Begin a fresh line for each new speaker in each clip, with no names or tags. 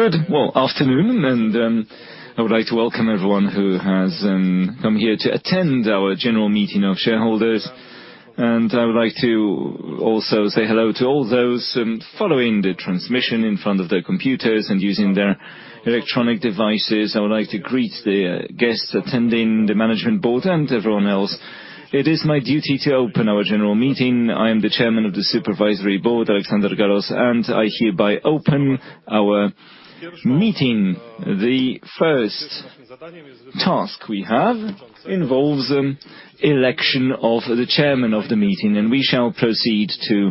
Good, well, afternoon, and I would like to welcome everyone who has come here to attend General Meeting of shareholders. I would like to also say hello to all those following the transmission in front of their computers and using their electronic devices. I would like to greet the guests attending, the Management Board, and everyone else. It is my duty to open our General Meeting. I am the Chairman of the Supervisory Board, Alexander Gallos, and I hereby open our meeting. The first task we have involves election of the Chairman of the meeting, and we shall proceed to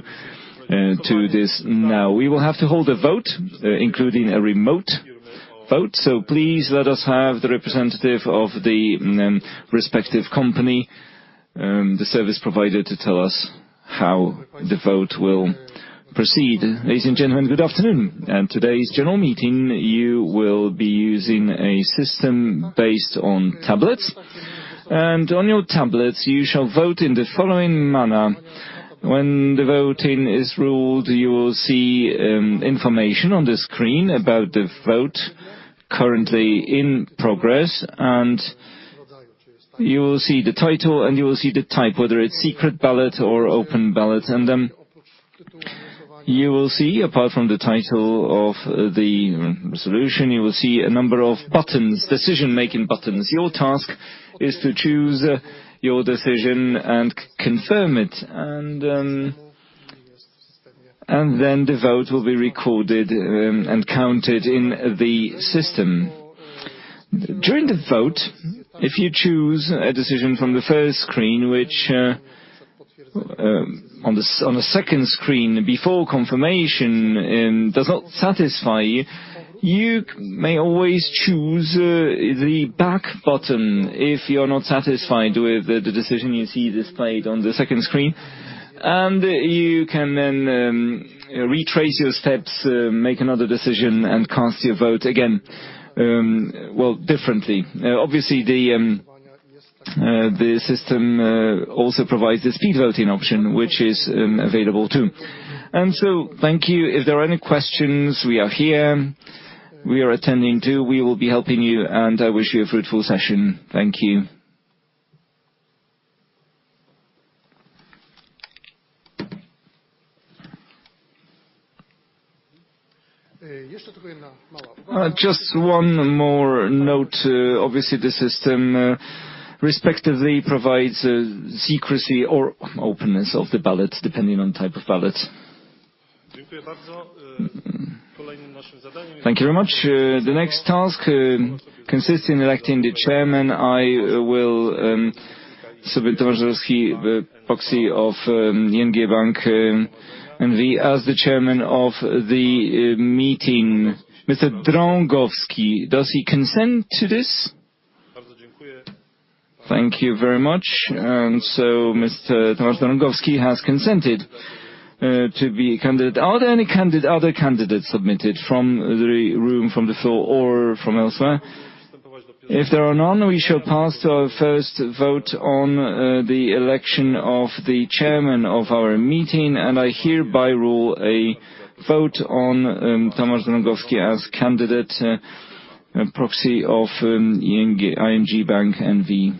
this now. We will have to hold a vote, including a remote vote, so please let us have the representative of the respective company, the service provider, to tell us how the vote will proceed.
Ladies and gentlemen, good afternoon. At today's General Meeting, you will be using a system based on tablets. On your tablets, you shall vote in the following manner. When the voting is ruled, you will see information on the screen about the vote currently in progress, and you will see the title and you will see the type, whether it's Secret Ballot or Open Ballot. You will see, apart from the title of the solution, you will see a number of buttons, decision-making buttons. Your task is to choose your decision and confirm it. Then the vote will be recorded and counted in the system.
During the vote, if you choose a decision from the first screen, which, on the second screen before confirmation, does not satisfy you may always choose the Back button if you're not satisfied with the decision you see displayed on the second screen. You can then retrace your steps, make another decision, and cast your vote again, well, differently. Obviously, the system also provides a speed voting option, which is available too. Thank you. If there are any questions, we are here. We are attending too. We will be helping you, and I wish you a fruitful session. Thank you. Just one more note. Obviously, the system respectively provides secrecy or openness of the ballot, depending on type of ballot. Thank you very much. The next task consists in electing the Chairman. I will submit Tomasz Drągowski, the proxy of ING Bank, and as the Chairman of the meeting, Mr. Drągowski. Does he consent to this? Thank you very much. Mr. Tomasz Drągowski has consented to be a candidate. Are there any other candidates submitted from the room, from the floor, or from elsewhere? If there are none, we shall pass to our first vote on the election of the Chairman of our meeting, and I hereby rule a vote on Tomasz Drągowski as candidate, proxy of ING Bank N.V.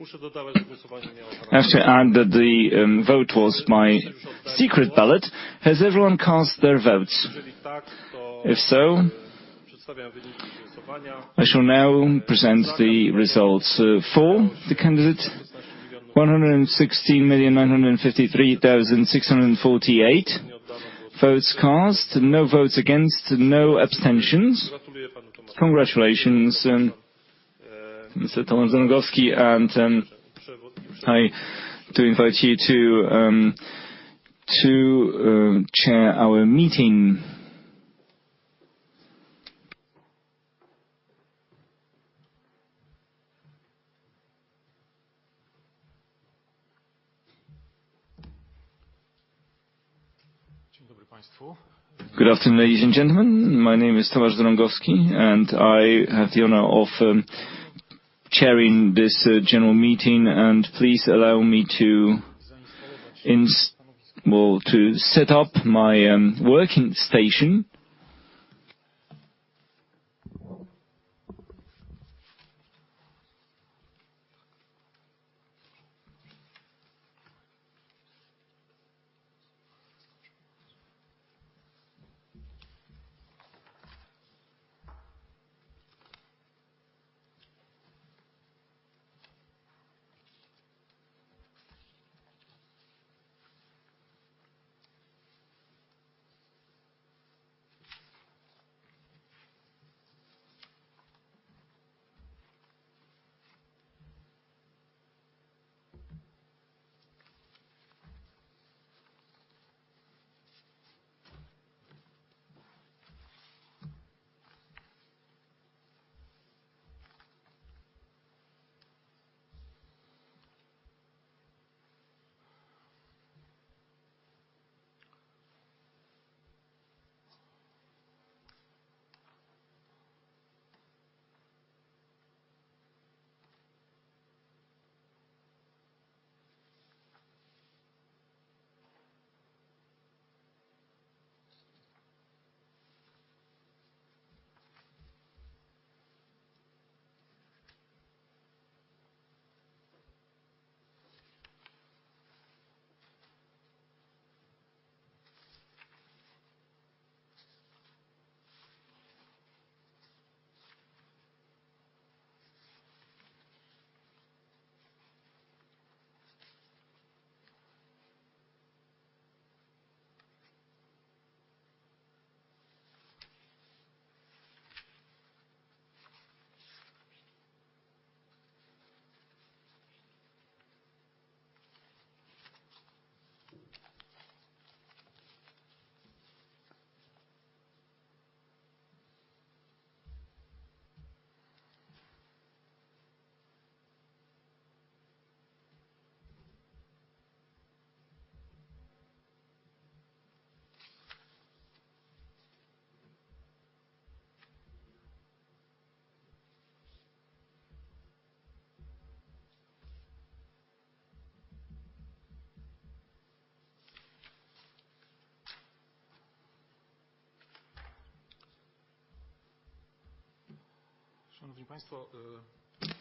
I have to add that the vote was by Secret Ballot. Has everyone cast their votes? If so, I shall now present the results. For the candidate, 116,953,648 votes cast. No votes against. No abstentions. Congratulations, Mr. Tomasz Drągowski, and I do invite you to Chair our meeting.
Good afternoon, ladies and gentlemen. My name is Tomasz Drągowski, and I have the honor of Chairing this General Meeting, and please allow me to set up my working station.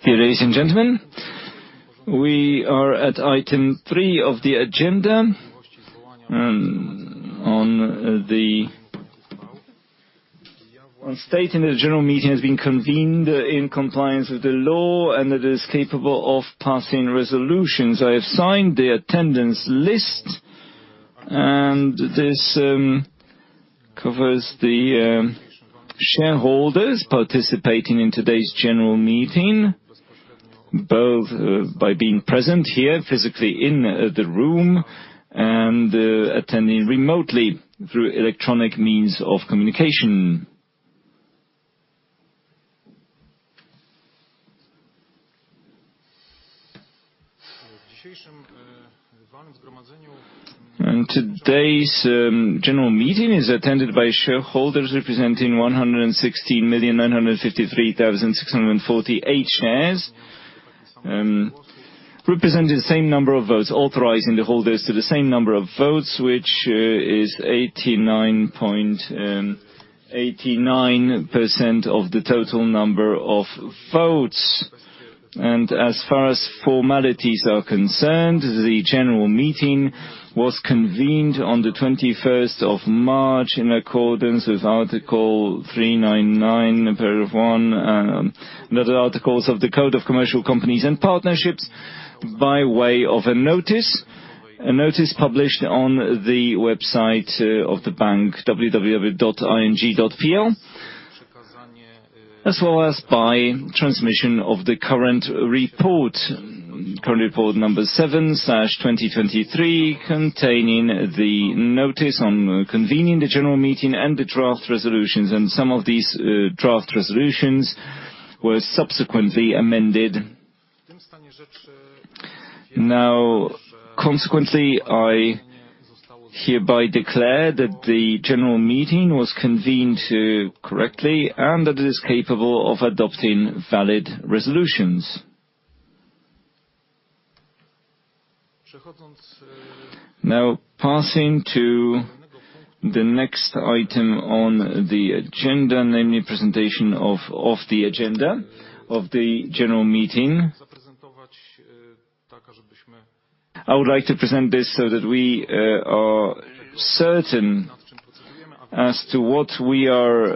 Dear ladies and gentlemen, we are at item three of the agenda on stating the General Meeting has been convened in compliance with the law and it is capable of passing resolutions. I have signed the attendance list and this covers the shareholders participating in today's General Meeting, both by being present here physically in the room and attending remotely through electronic means of communication. Today's General Meeting is attended by shareholders representing 116,953,648 shares, representing the same number of votes, authorizing the holders to the same number of votes, which is 89.89% of the total number of votes. As far as formalities are concerned, the General Meeting was convened on the 21st of March in accordance with Article 399, paragraph 1, and other articles of the Code of Commercial Companies and Partnerships by way of a notice, a notice published on the website of the bank, www.ing.pl, as well as by transmission of the current report, current report number 7/2023, containing the notice on convening the General Meeting and the draft resolutions. Some of these draft resolutions were subsequently amended. Consequently, I hereby declare that the General Meeting was convened correctly and that it is capable of adopting valid resolutions. Passing to the next item on the agenda, namely presentation of the agenda of the General Meeting. I would like to present this so that we are certain as to what we are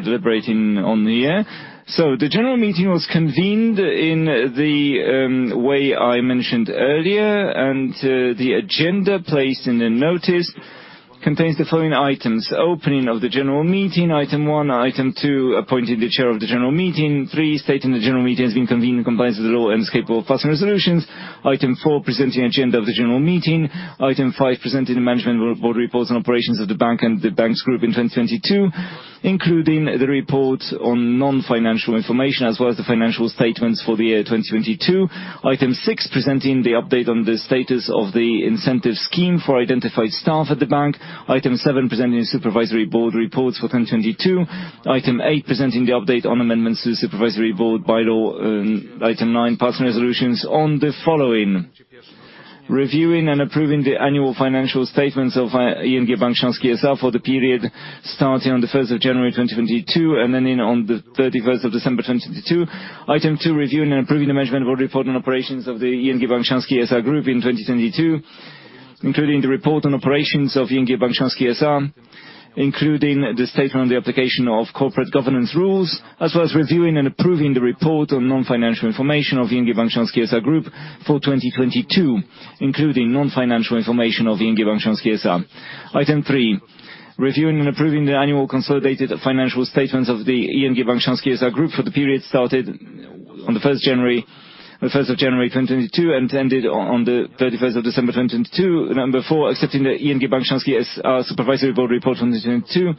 deliberating on the air. The General Meeting was convened in the way I mentioned earlier, and the agenda placed in the notice contains the following items: opening of the General Meeting, item 1. Item 2, appointing the Chair of the General Meeting. 3, stating the General Meeting has been convened in compliance with the law and is capable of passing resolutions. Item 4, presenting agenda of the General Meeting. Item 5, presenting the Management Board reports on operations of the bank and the bank's group in 2022, including the report on non-financial information, as well as the financial statements for the year 2022. Item 6, presenting the update on the status of the incentive scheme for identified staff at the bank. Item 7, presenting supervisory board reports for 2022. Item 8, presenting the update on amendments to supervisory board bylaw. Item 9, passing resolutions on the following. Reviewing and approving the annual financial statements of ING Bank Śląski S.A. for the period starting on the 1st of January 2022, and ending on the 31st of December 2022. Item 2, reviewing and approving the management board report on operations of the ING Bank Śląski S.A. group in 2022, including the report on operations of ING Bank Śląski S.A., including the statement on the application of corporate governance rules, as well as reviewing and approving the report on non-financial information of ING Bank Śląski S.A. group for 2022, including non-financial information of ING Bank Śląski S.A. Item 3, reviewing and approving the annual consolidated financial statements of the ING Bank Śląski S.A. group for the period started on the 1st of January 2022 and ended on the 31st of December 2022. Number 4, accepting the ING Bank Śląski S.A. Supervisory Board report on 2022.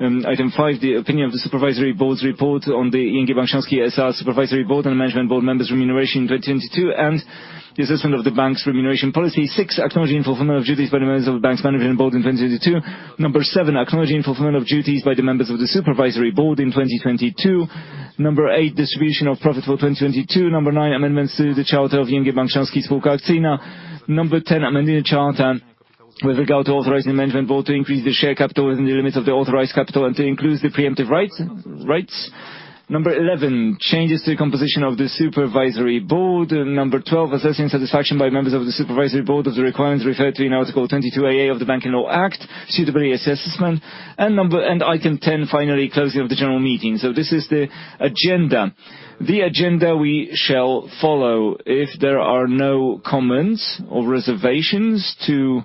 Item 5, the opinion of the Supervisory Board's report on the ING Bank Śląski S.A. Supervisory Board and Management Board members' remuneration in 2022, and the assessment of the bank's remuneration policy. 6, acknowledging fulfillment of duties by the members of the bank's Management Board in 2022. Number 7, acknowledging fulfillment of duties by the members of the Supervisory Board in 2022. Number 8, distribution of profit for 2022. Number 9, amendments to the charter of ING Bank Śląski Spółka Akcyjna. Number 10, amending the charter with regard to authorizing the Management Board to increase the share capital within the limits of the authorized capital and to include the preemptive rights. Number 11, changes to the composition of the Supervisory Board. Number 12, assessing satisfaction by members of the Supervisory Board of the requirements referred to in Article 22aa of the Banking Law, suitability assessment. Item 10, finally, closing of the General Meeting. This is the agenda. The agenda we shall follow. If there are no comments or reservations to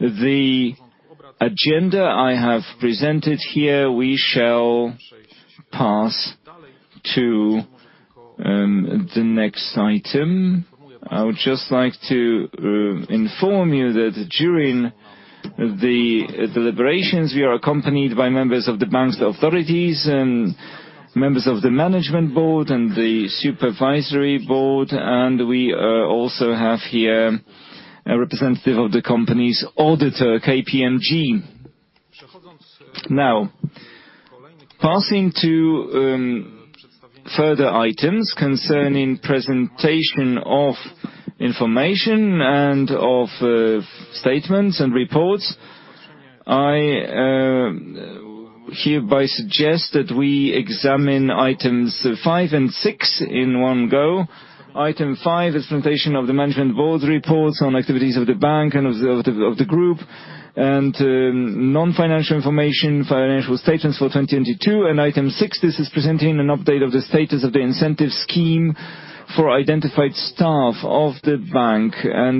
the agenda I have presented here, we shall pass to the next item. I would just like to inform you that during the deliberations, we are accompanied by members of the bank's authorities and members of the Management Board and the Supervisory Board. We also have here a representative of the company's auditor, KPMG. Now, passing to further items concerning presentation of information and of statements and reports, I hereby suggest that we examine items 5 and 6 in one go. Item 5 is presentation of the Management Board reports on activities of the bank and of the group and non-financial information, financial statements for 2022. Item 6, this is presenting an update of the status of the incentive scheme for identified staff of the bank.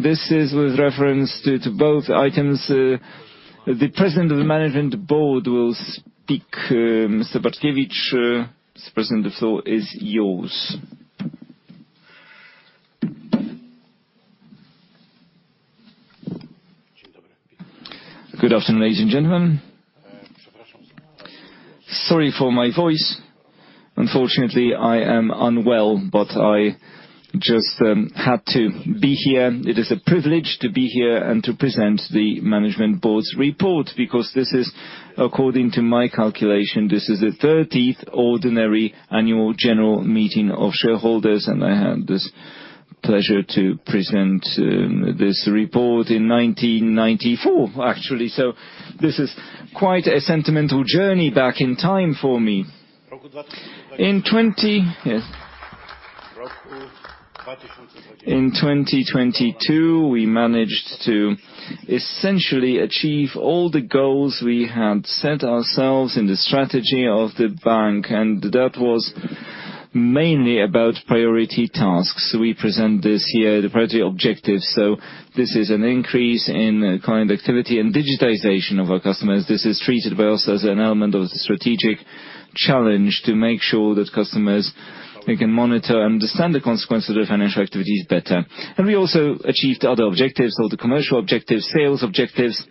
This is with reference to both items, the President of the Management Board will speak. Mr. Bartkiewicz, Mr. President, the floor is yours.
Good afternoon, ladies and gentlemen. Sorry for my voice. Unfortunately, I am unwell, but I just had to be here. It is a privilege to be here and to present the Management Board's report because this is, according to my calculation, this is the 30th ordinary annual General Meeting of shareholders, and I had this pleasure to present this report in 1994 actually. This is quite a sentimental journey back in time for me. Yes. In 2022, we managed to essentially achieve all the goals we had set ourselves in the strategy of the bank, and that was mainly about priority tasks. We present this year the priority objectives. This is an increase in client activity and digitization of our customers. This is treated by us as an element of the strategic challenge to make sure that customers, they can monitor and understand the consequences of their financial activities better. We also achieved other objectives or the commercial objectives, sales objectives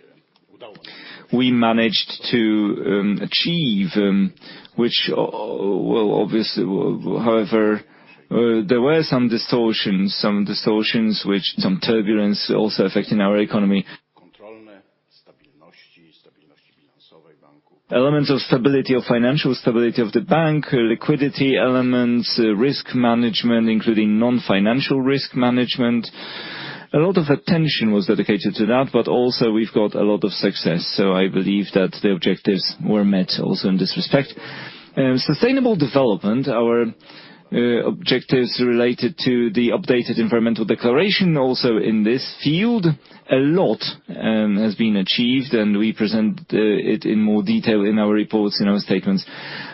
we managed to achieve, which obviously. However, there were some distortions. Some distortions which some turbulence also affecting our economy. Elements of stability, of financial stability of the bank, liquidity elements, risk management, including non-financial risk management. A lot of attention was dedicated to that, but also we've got a lot of success. I believe that the objectives were met also in this respect. Sustainable development, our objectives related to the updated environmental declaration also in this field. A lot has been achieved, and we present it in more detail in our reports, in our statements.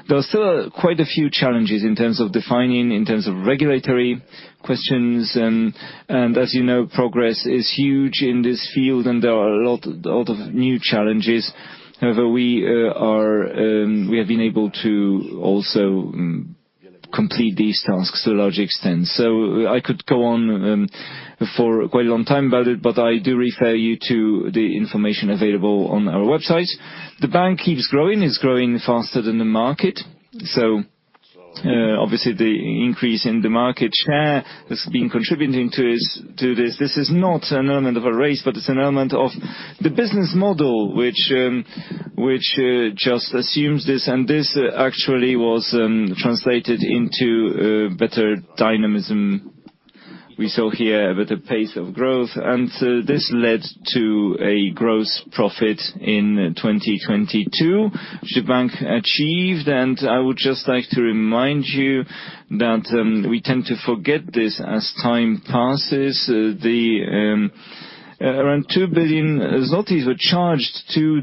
There are still quite a few challenges in terms of defining, in terms of regulatory questions. As you know, progress is huge in this field, and there are a lot of new challenges. However, we have been able to also complete these tasks to a large extent. I could go on for quite a long time about it, but I do refer you to the information available on our website. The bank keeps growing. It's growing faster than the market. Obviously the increase in the market share has been contributing to this, to this. This is not an element of a race, but it's an element of the business model which just assumes this. This actually was translated into better dynamism, we saw here a better pace of growth, and so this led to a gross profit in 2022 which the bank achieved. I would just like to remind you that, we tend to forget this as time passes. The around 2 billion zlotys were charged to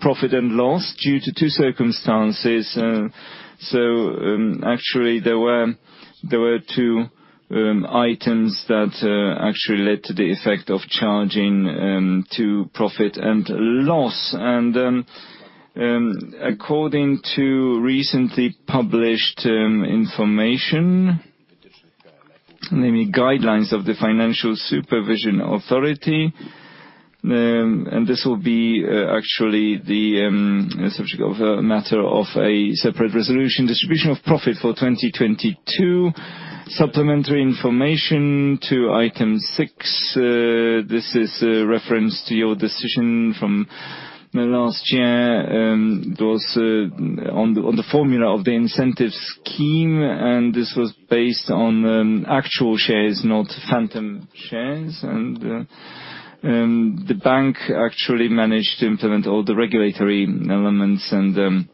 profit and loss due to two circumstances. Actually, there were two items that actually led to the effect of charging to profit and loss. According to recently published information, namely guidelines of the Financial Supervision Authority, and this will be actually the subject of a matter of a separate resolution, distribution of profit for 2022. Supplementary information to item 6. This is a reference to your decision from the last year. Those on the formula of the incentive scheme, and this was based on actual shares, not phantom shares. The bank actually managed to implement all the regulatory elements and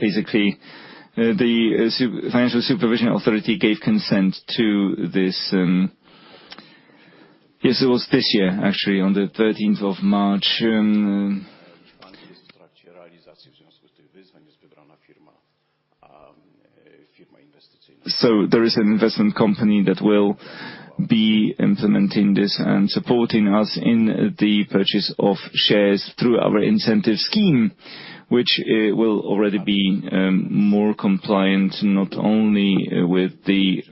basically, the Polish Financial Supervision Authority gave consent to this. Yes, it was this year, actually, on the 13th of March. There is an investment company that will be implementing this and supporting us in the purchase of shares through our incentive scheme, which will already be more compliant, not only with the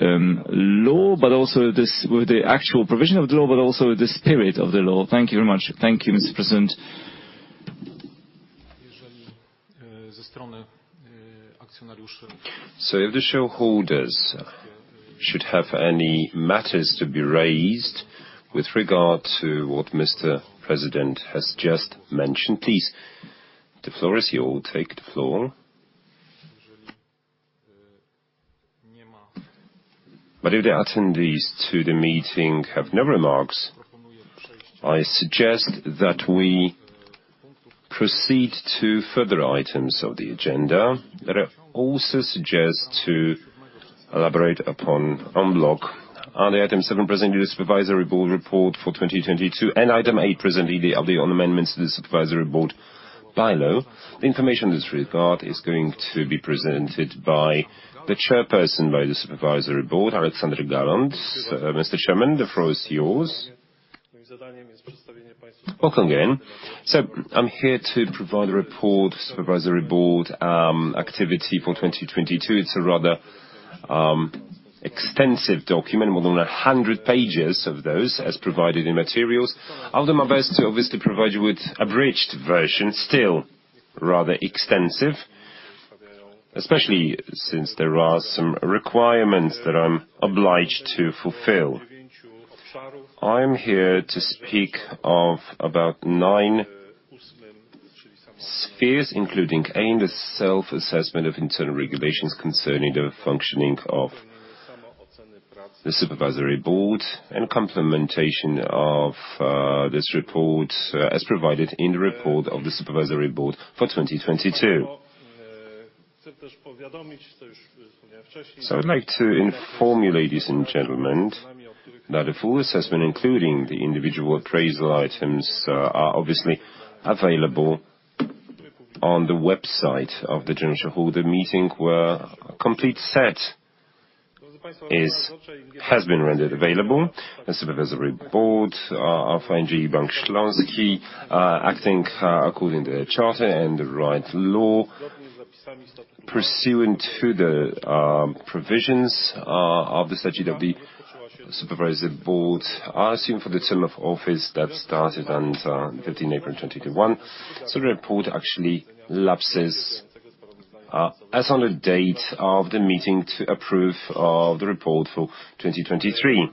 law, but also with the actual provision of the law, but also the spirit of the law. Thank you very much.
Thank you, Mr. President. If the shareholders should have any matters to be raised with regard to what Mr. President has just mentioned, please, the floor is yours. Take the floor. If the attendees to the meeting have no remarks, I suggest that we proceed to further items of the agenda that I also suggest to elaborate upon en bloc. Under item 7, presenting the Supervisory Board report for 2022, and item 8, presenting the update on amendments to the Supervisory Board bylaw. The information in this regard is going to be presented by the Chairperson, by the Supervisory Board, Aleksander Galos. Mr. Chairman, the floor is yours.
Welcome again. I'm here to provide a report, Supervisory Board, activity for 2022. It's a rather extensive document, more than 100 pages of those as provided in materials. I'll do my best to obviously provide you with abridged version, still rather extensive, especially since there are some requirements that I'm obliged to fulfill. I'm here to speak of about 9 spheres, including aimed at self-assessment of internal regulations concerning the functioning of the Supervisory Board and complementation of this report as provided in the report of the Supervisory Board for 2022. I'd like to inform you, ladies and gentlemen, that a full assessment, including the individual appraisal items, are obviously available on the website of the General Shareholder Meeting, where a complete set has been rendered available. The Supervisory Board of ING Bank Śląski, acting according to the charter and the right law pursuant to the provisions of the statute of the Supervisory Board, I assume for the term of office that started on 13 April 2021. The report actually lapses as on the date of the meeting to approve of the report for 2023.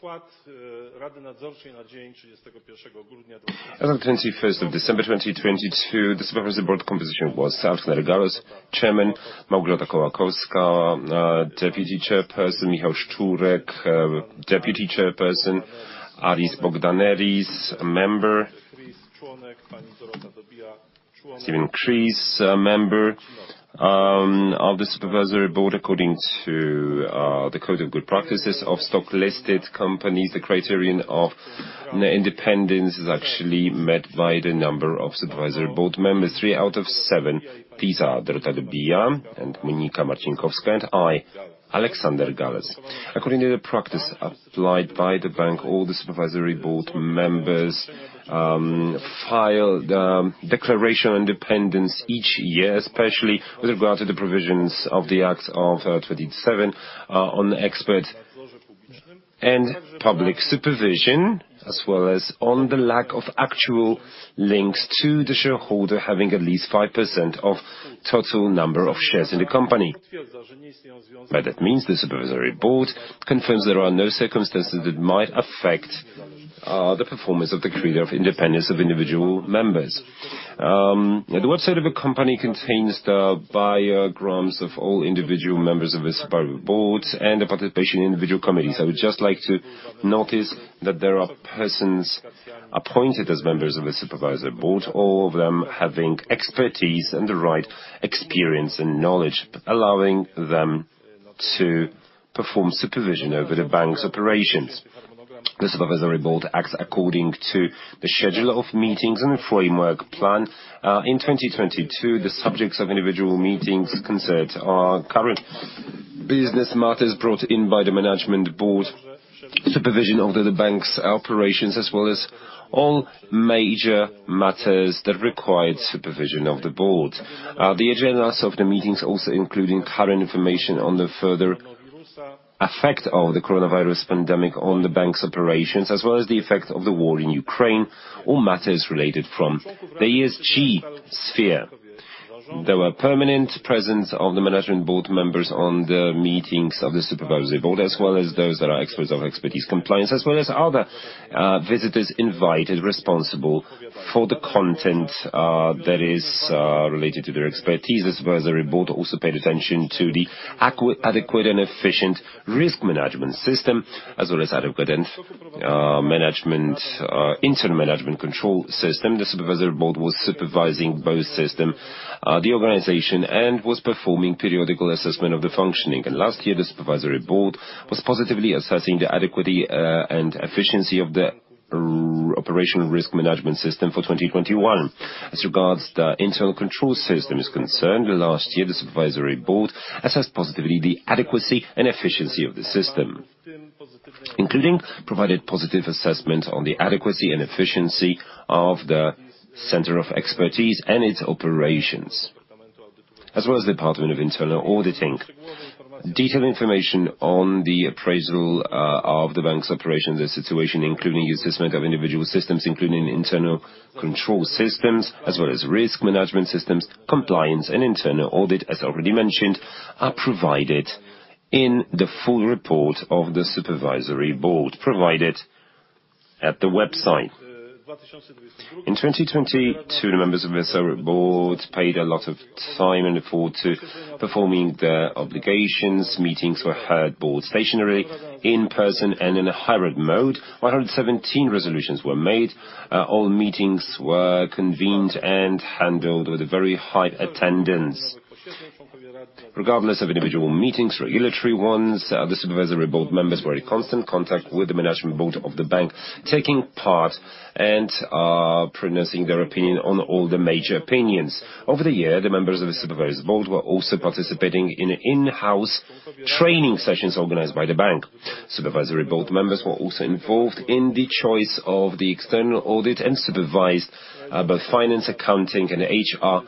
As of the 21st of December, 2022, the Supervisory Board composition was as follows: Chairman Małgorzata Kołakowska, Deputy Chairperson Michał Szczurek, Deputy Chairperson Aris Bogdaneris, member Stephen Creese, member of the Supervisory Board according to the Code of Good Practices of stock-listed companies. The criterion of independence is actually met by the number of Supervisory Board members, 3 out of 7. These are Dorota Dobija and Monika Marcinkowska and I, Aleksander Galos. According to the practice applied by the bank, all the Supervisory Board members file the declaration independence each year, especially with regard to the provisions of the Act of 2027 on expert and public supervision, as well as on the lack of actual links to the shareholder having at least 5% of total number of shares in the company. The Supervisory Board confirms there are no circumstances that might affect the performance of the creator of independence of individual members. The website of a company contains the biograms of all individual members of the Supervisory Board and the participation in individual committees. I would just like to notice that there are persons appointed as members of the Supervisory Board, all of them having expertise and the right experience and knowledge, allowing them to perform supervision over the bank's operations. The Supervisory Board acts according to the schedule of meetings and the framework plan. In 2022, the subjects of individual meetings concerned are current business matters brought in by the Management Board, supervision over the bank's operations, as well as all major matters that required supervision of the Board. The agendas of the meetings also including current information on the further effect of the coronavirus pandemic on the bank's operations, as well as the effect of the war in Ukraine or matters related from the ESG sphere. There were permanent presence of the Management Board members on the meetings of the Supervisory Board, as well as those that are experts of Compliance, as well as other visitors invited responsible for the content that is related to their expertise. The Supervisory Board also paid attention to the adequate and efficient Risk Management System, as well as adequate and management, Internal Management Control System. The Supervisory Board was supervising both system, the organization and was performing periodical assessment of the functioning. Last year, the Supervisory Board was positively assessing the adequacy and efficiency of the Operational Risk Management System for 2021. As regards the Internal Control System is concerned, last year, the Supervisory Board assessed positively the adequacy and efficiency of the system, including provided positive assessment on the adequacy and efficiency of the Center of Expertise and its operations, as well as the Department of Internal Auditing. Detailed information on the appraisal of the bank's operations and situation, including assessment of individual systems, including internal control systems as well as risk management systems, compliance Internal Audit, as already mentioned, are provided in the full report of the Supervisory Board provided at the website. In 2022, the members of the Supervisory Board paid a lot of time and effort to performing their obligations. Meetings were held board stationary, in-person, and in a hybrid mode. 117 resolutions were made. All meetings were convened and handled with a very high attendance. Regardless of individual meetings, regulatory ones, the Supervisory Board members were in constant contact with the Management Board of the Bank, taking part and pronouncing their opinion on all the major opinions. Over the year, the members of the Supervisory Board were also participating in in-house training sessions organized by the bank. Supervisory Board members were also involved in the choice of the External Audit and supervised both finance, accounting and HR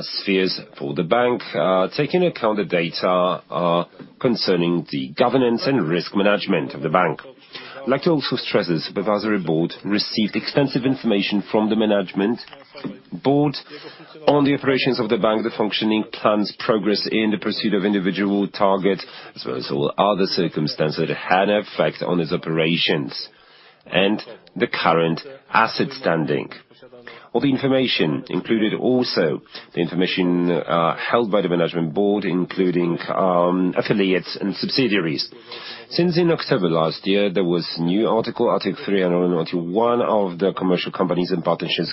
spheres for the bank, taking account the data concerning the governance and risk management of the bank. I'd like to also stress the Supervisory Board received extensive information from the Management Board on the operations of the bank, the functioning plans, progress in the pursuit of individual target, as well as all other circumstances that had an effect on its operations and the current asset standing. All the information included also the information held by the Management Board, including affiliates and subsidiaries. Since in October last year, there was new article, Article 382 of the Code of Commercial Companies and Partnerships.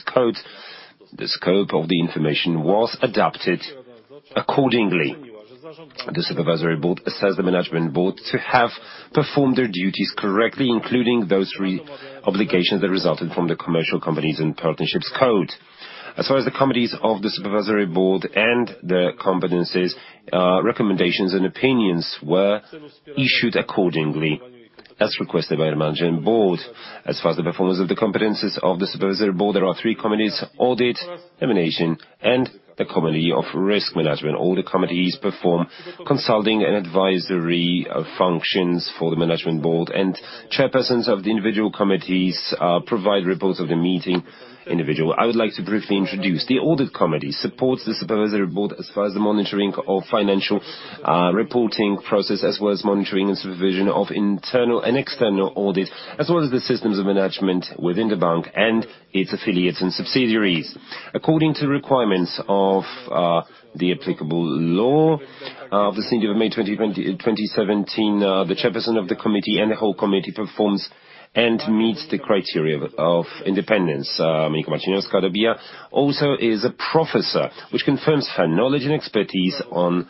The scope of the information was adapted accordingly. The Supervisory Board assessed the Management Board to have performed their duties correctly, including those re-obligations that resulted from the Commercial Companies and Partnerships Code. As far as the committees of the Supervisory Board and the competencies, recommendations and opinions were issued accordingly as requested by the Management Board. As far as the performance of the competencies of the Supervisory Board, there are three committees: Audit, Nomination, and the committee of Risk Management. All the committees perform consulting and advisory functions for the Management Board and Chairpersons of the individual committees, provide reports of the meeting individual. I would like to briefly introduce. The Audit Committee supports the Supervisory Board as far as the monitoring of financial reporting process, as well as monitoring and supervision of internal and External Audit, as well as the systems of management within the bank and its affiliates and subsidiaries. According to requirements of the applicable law, of December of May 2020, 2017, the Chairperson of the Committee and the whole Committee performs and meets the criteria of independence. Monika Marcinkowska also is a professor, which confirms her knowledge and expertise on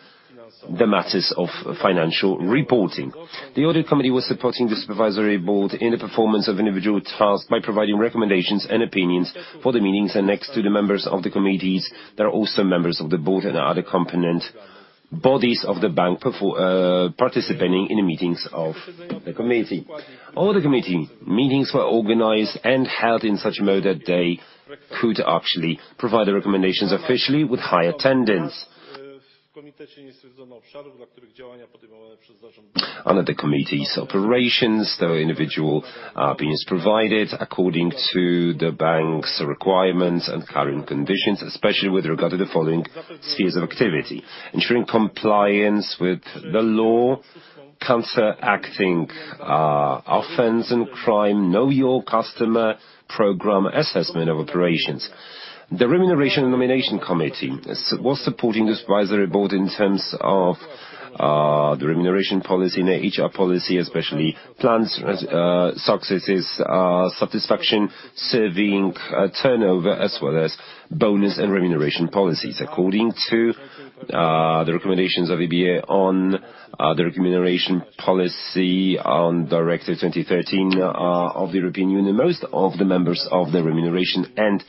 the matters of financial reporting. The Audit Committee was supporting the Supervisory Board in the performance of individual tasks by providing recommendations and opinions for the meetings. Next to the members of the Committees, there are also members of the Management Board and other component bodies of the bank participating in the meetings of the Committee. All the committee meetings were organized and held in such a mode that they could actually provide the recommendations officially with high attendance. Under the committee's operations, the individual opinions provided according to the bank's requirements and current conditions, especially with regard to the following spheres of activity: ensuring compliance with the law. Counteracting offense and crime. Know Your Customer program assessment of operations. The Remuneration and Nomination Committee was supporting Supervisory Board in terms of the remuneration policy and HR policy, especially plans, successes, satisfaction, serving, turnover, as well as bonus and remuneration policies. According to the recommendations of EBA on the remuneration policy on Directive 2013 of the European Union, most of the members of the Remuneration and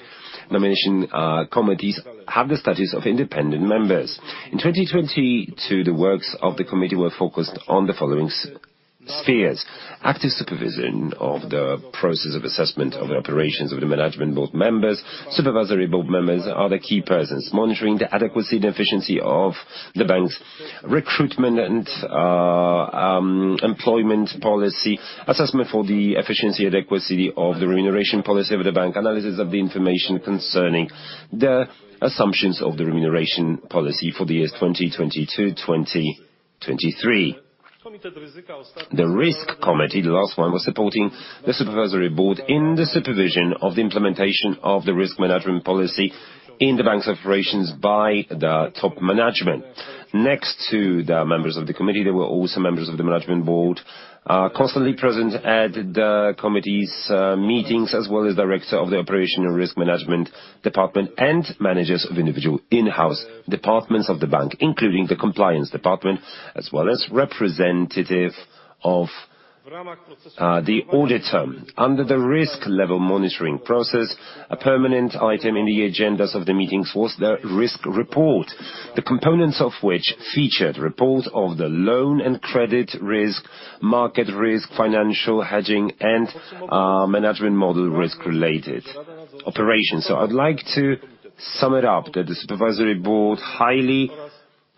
Nomination Committee have the status of independent members. In 2022, the works of the committee were focused on the following spheres: active supervision of the process of assessment of the operations of the Management Board members. Supervisory Board members are the key persons monitoring the adequacy and efficiency of the bank's recruitment and employment policy. Assessment for the efficiency adequacy of the remuneration policy of the bank. Analysis of the information concerning the assumptions of the remuneration policy for the years 2022, 2023. The Risk Committee, the last one, was supporting the Supervisory Board in the supervision of the implementation of the risk management policy in the bank's operations by the top management. Next to the members of the committee, there were also members of the Management Board, constantly present at the committee's meetings, as well as Director of the Operational Risk Management Department and managers of individual in-house departments of the bank, including the Compliance Department, as well as representative of the auditor. Under the risk level monitoring process, a permanent item in the agendas of the meetings was the risk report, the components of which featured report of the loan and credit risk, market risk, financial hedging, and management model risk-related operations. I'd like to sum it up that the Supervisory Board highly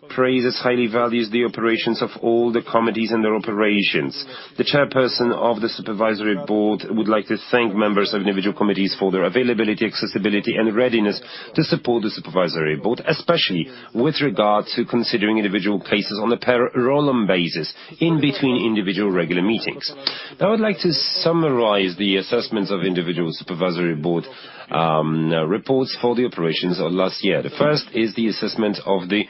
praises, highly values the operations of all the committees and their operations. The Chairperson of the Supervisory Board would like to thank members of individual committees for their availability, accessibility, and readiness to support the Supervisory Board, especially with regard to considering individual cases on a per roll-on basis in between individual regular meetings. Now I would like to summarize the assessments of individual Supervisory Board reports for the operations of last year. The first is the assessment of the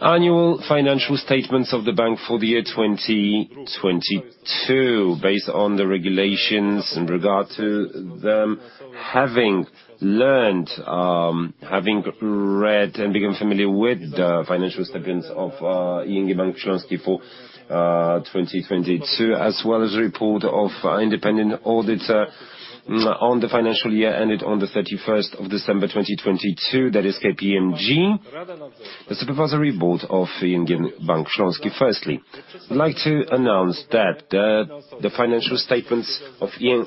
annual financial statements of the bank for the year 2022. Based on the regulations in regard to them, having learned, having read and become familiar with the financial statements of ING Bank Śląski for 2022, as well as report of independent auditor on the financial year ended on the 31st of December 2022, that is KPMG. The Supervisory Board of ING Bank Śląski firstly would like to announce that the financial statements of ING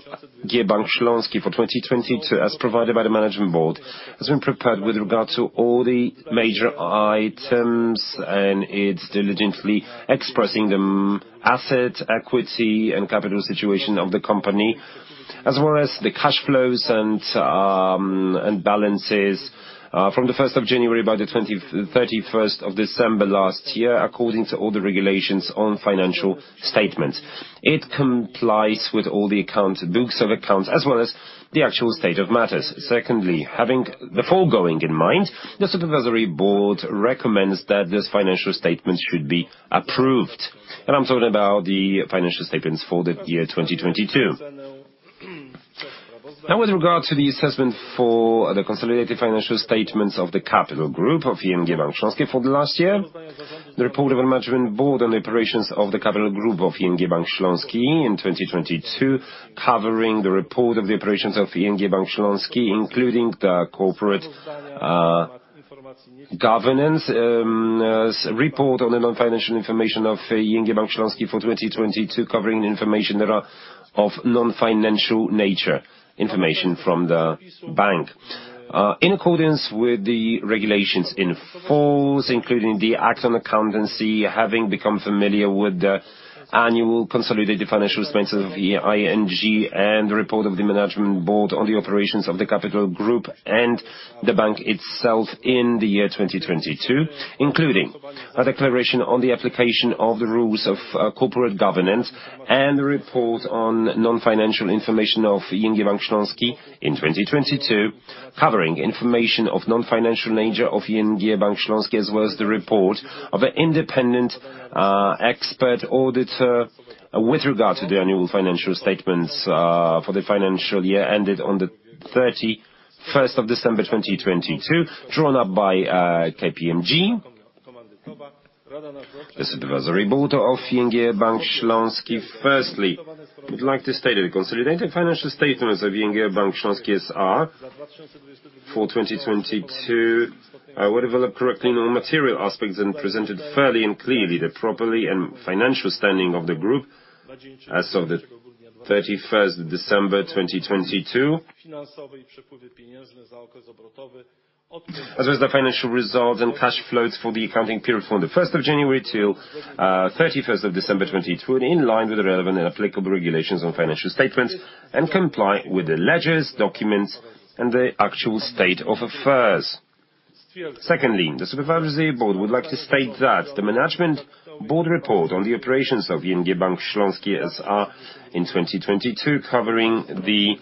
Bank Śląski for 2022 as provided by the Management Board has been prepared with regard to all the major items and it's diligently expressing the asset, equity, and capital situation of the company. As well as the cash flows and balances from the 1st of January by the 31st of December last year, according to all the regulations on financial statements. It complies with all the books of accounts, as well as the actual state of matters. Secondly, having the foregoing in mind, the Supervisory Board recommends that this financial statement should be approved. I'm talking about the financial statements for the year 2022. Now, with regard to the assessment for the consolidated financial statements of the capital group of ING Bank Śląski for the last year, the report of the Management Board on the operations of the capital group of ING Bank Śląski in 2022, covering the report of the operations of ING Bank Śląski, including the corporate governance report on the non-financial information of ING Bank Śląski for 2022, covering information that are of non-financial nature, information from the bank. in accordance with the regulations in force, including the Accounting Act, having become familiar with the annual consolidated financial statements of ING and the report of the Management Board on the operations of the capital group and the bank itself in the year 2022, including a declaration on the application of the rules of corporate governance and the report on non-financial information of ING Bank Śląski in 2022, covering information of non-financial nature of ING Bank Śląski, as well as the report of an independent expert auditor with regard to the annual financial statements for the financial year ended on the 31st of December 2022, drawn up by KPMG. The Supervisory Board of ING Bank Śląski firstly would like to state the consolidated financial statements of ING Bank Śląski S.A. for 2022, were developed correctly in all material aspects and presented fairly and clearly the properly and financial standing of the group as of the 31st of December, 2022. As well as the financial results and cash flows for the accounting period from the 1st of January till 31st of December 2022, in line with the relevant and applicable regulations on financial statements and comply with the ledgers, documents, and the actual state of affairs. Secondly, the Supervisory Board would like to state that the Management Board report on the operations of ING Bank Śląski S.A. in 2022 covering the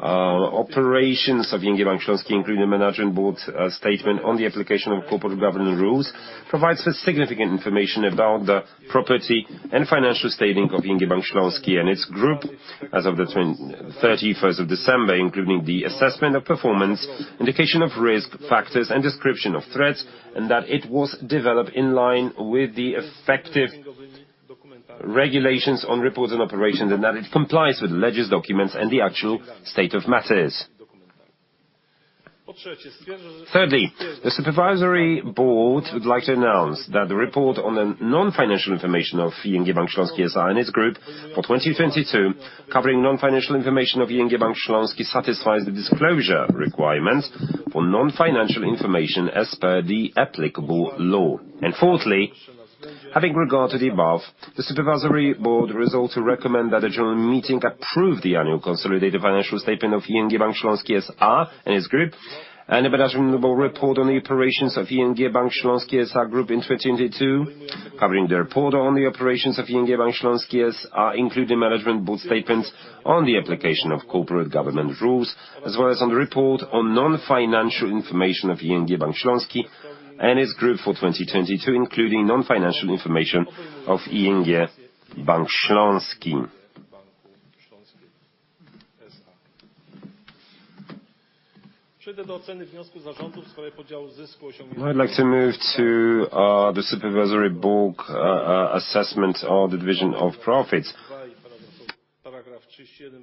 operations of ING Bank Śląski including Management Board statement on the application of corporate governing rules provides for significant information about the property and financial stating of ING Bank Śląski and its group as of the 31st of December, including the assessment of performance, indication of risk factors, and description of threats, and that it was developed in line with the effective regulations on reports and operations, and that it complies with ledger's documents and the actual state of matters. Thirdly, the Supervisory Board would like to announce that the report on the non-financial information of ING Bank Śląski S.A. and its group for 2022 covering non-financial information of ING Bank Śląski satisfies the disclosure requirement for non-financial information as per the applicable law. fourthly, having regard to the above, the Supervisory Board resolves to recommend that the General Meeting approve the annual consolidated financial statement of ING Bank Śląski S.A. and its group and the Management Board report on the operations of ING Bank Śląski S.A. group in 2022 covering the report on the operations of ING Bank Śląski S.A., including Management Board statements on the application of corporate governance rules, as well as on the report on non-financial information of ING Bank Śląski and its group for 2022, including non-financial information of ING Bank Śląski. I'd like to move to the Supervisory Board assessment of the division of profits. Pursuant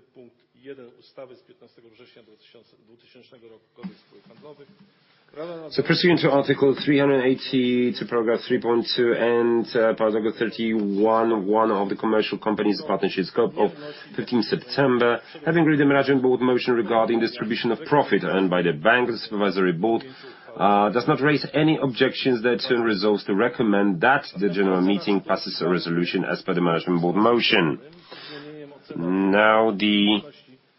to Article 382, paragraph 3.2 and paragraph 391 of the Code of Commercial Companies and Partnerships of 15 September, having read the Management Board motion regarding distribution of profit earned by the Bank, the Supervisory Board does not raise any objections thereto and resolves to recommend that the General Meeting passes a resolution as per the Management Board motion. The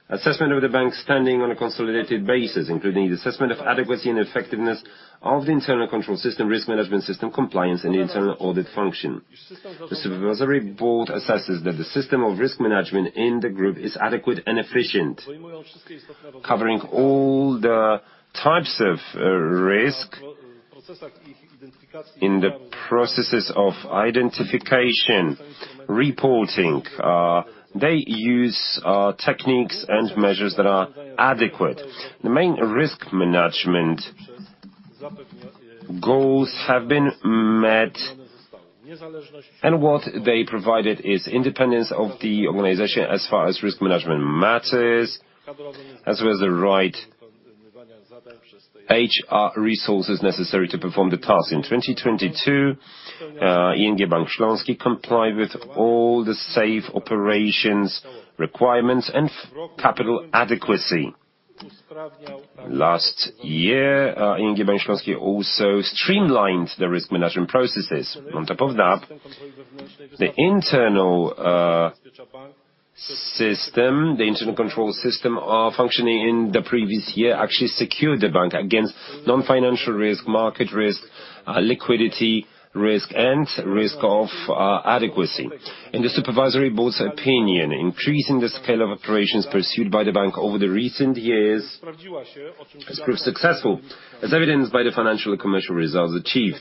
assessment of the Bank's standing on a consolidated basis, including the assessment of adequacy and effectiveness of the internal control system, risk management system, Compliance, and the Internal Audit function. The Supervisory Board assesses that the system of risk management in the Group is adequate and efficient, covering all the types of risk in the processes of identification, reporting. They use techniques and measures that are adequate. The main risk management goals have been met, what they provided is independence of the organization as far as risk management matters, as well as the right HR resources necessary to perform the task. In 2022, ING Bank Śląski complied with all the safe operations requirements and capital adequacy. Last year, ING Bank Śląski also streamlined the risk management processes. On top of that, the internal system, the internal control system, functioning in the previous year actually secured the bank against non-financial risk, market risk, liquidity risk, and risk of adequacy. In the Supervisory Board's opinion, increasing the scale of operations pursued by the bank over the recent years has proved successful, as evidenced by the financial and commercial results achieved.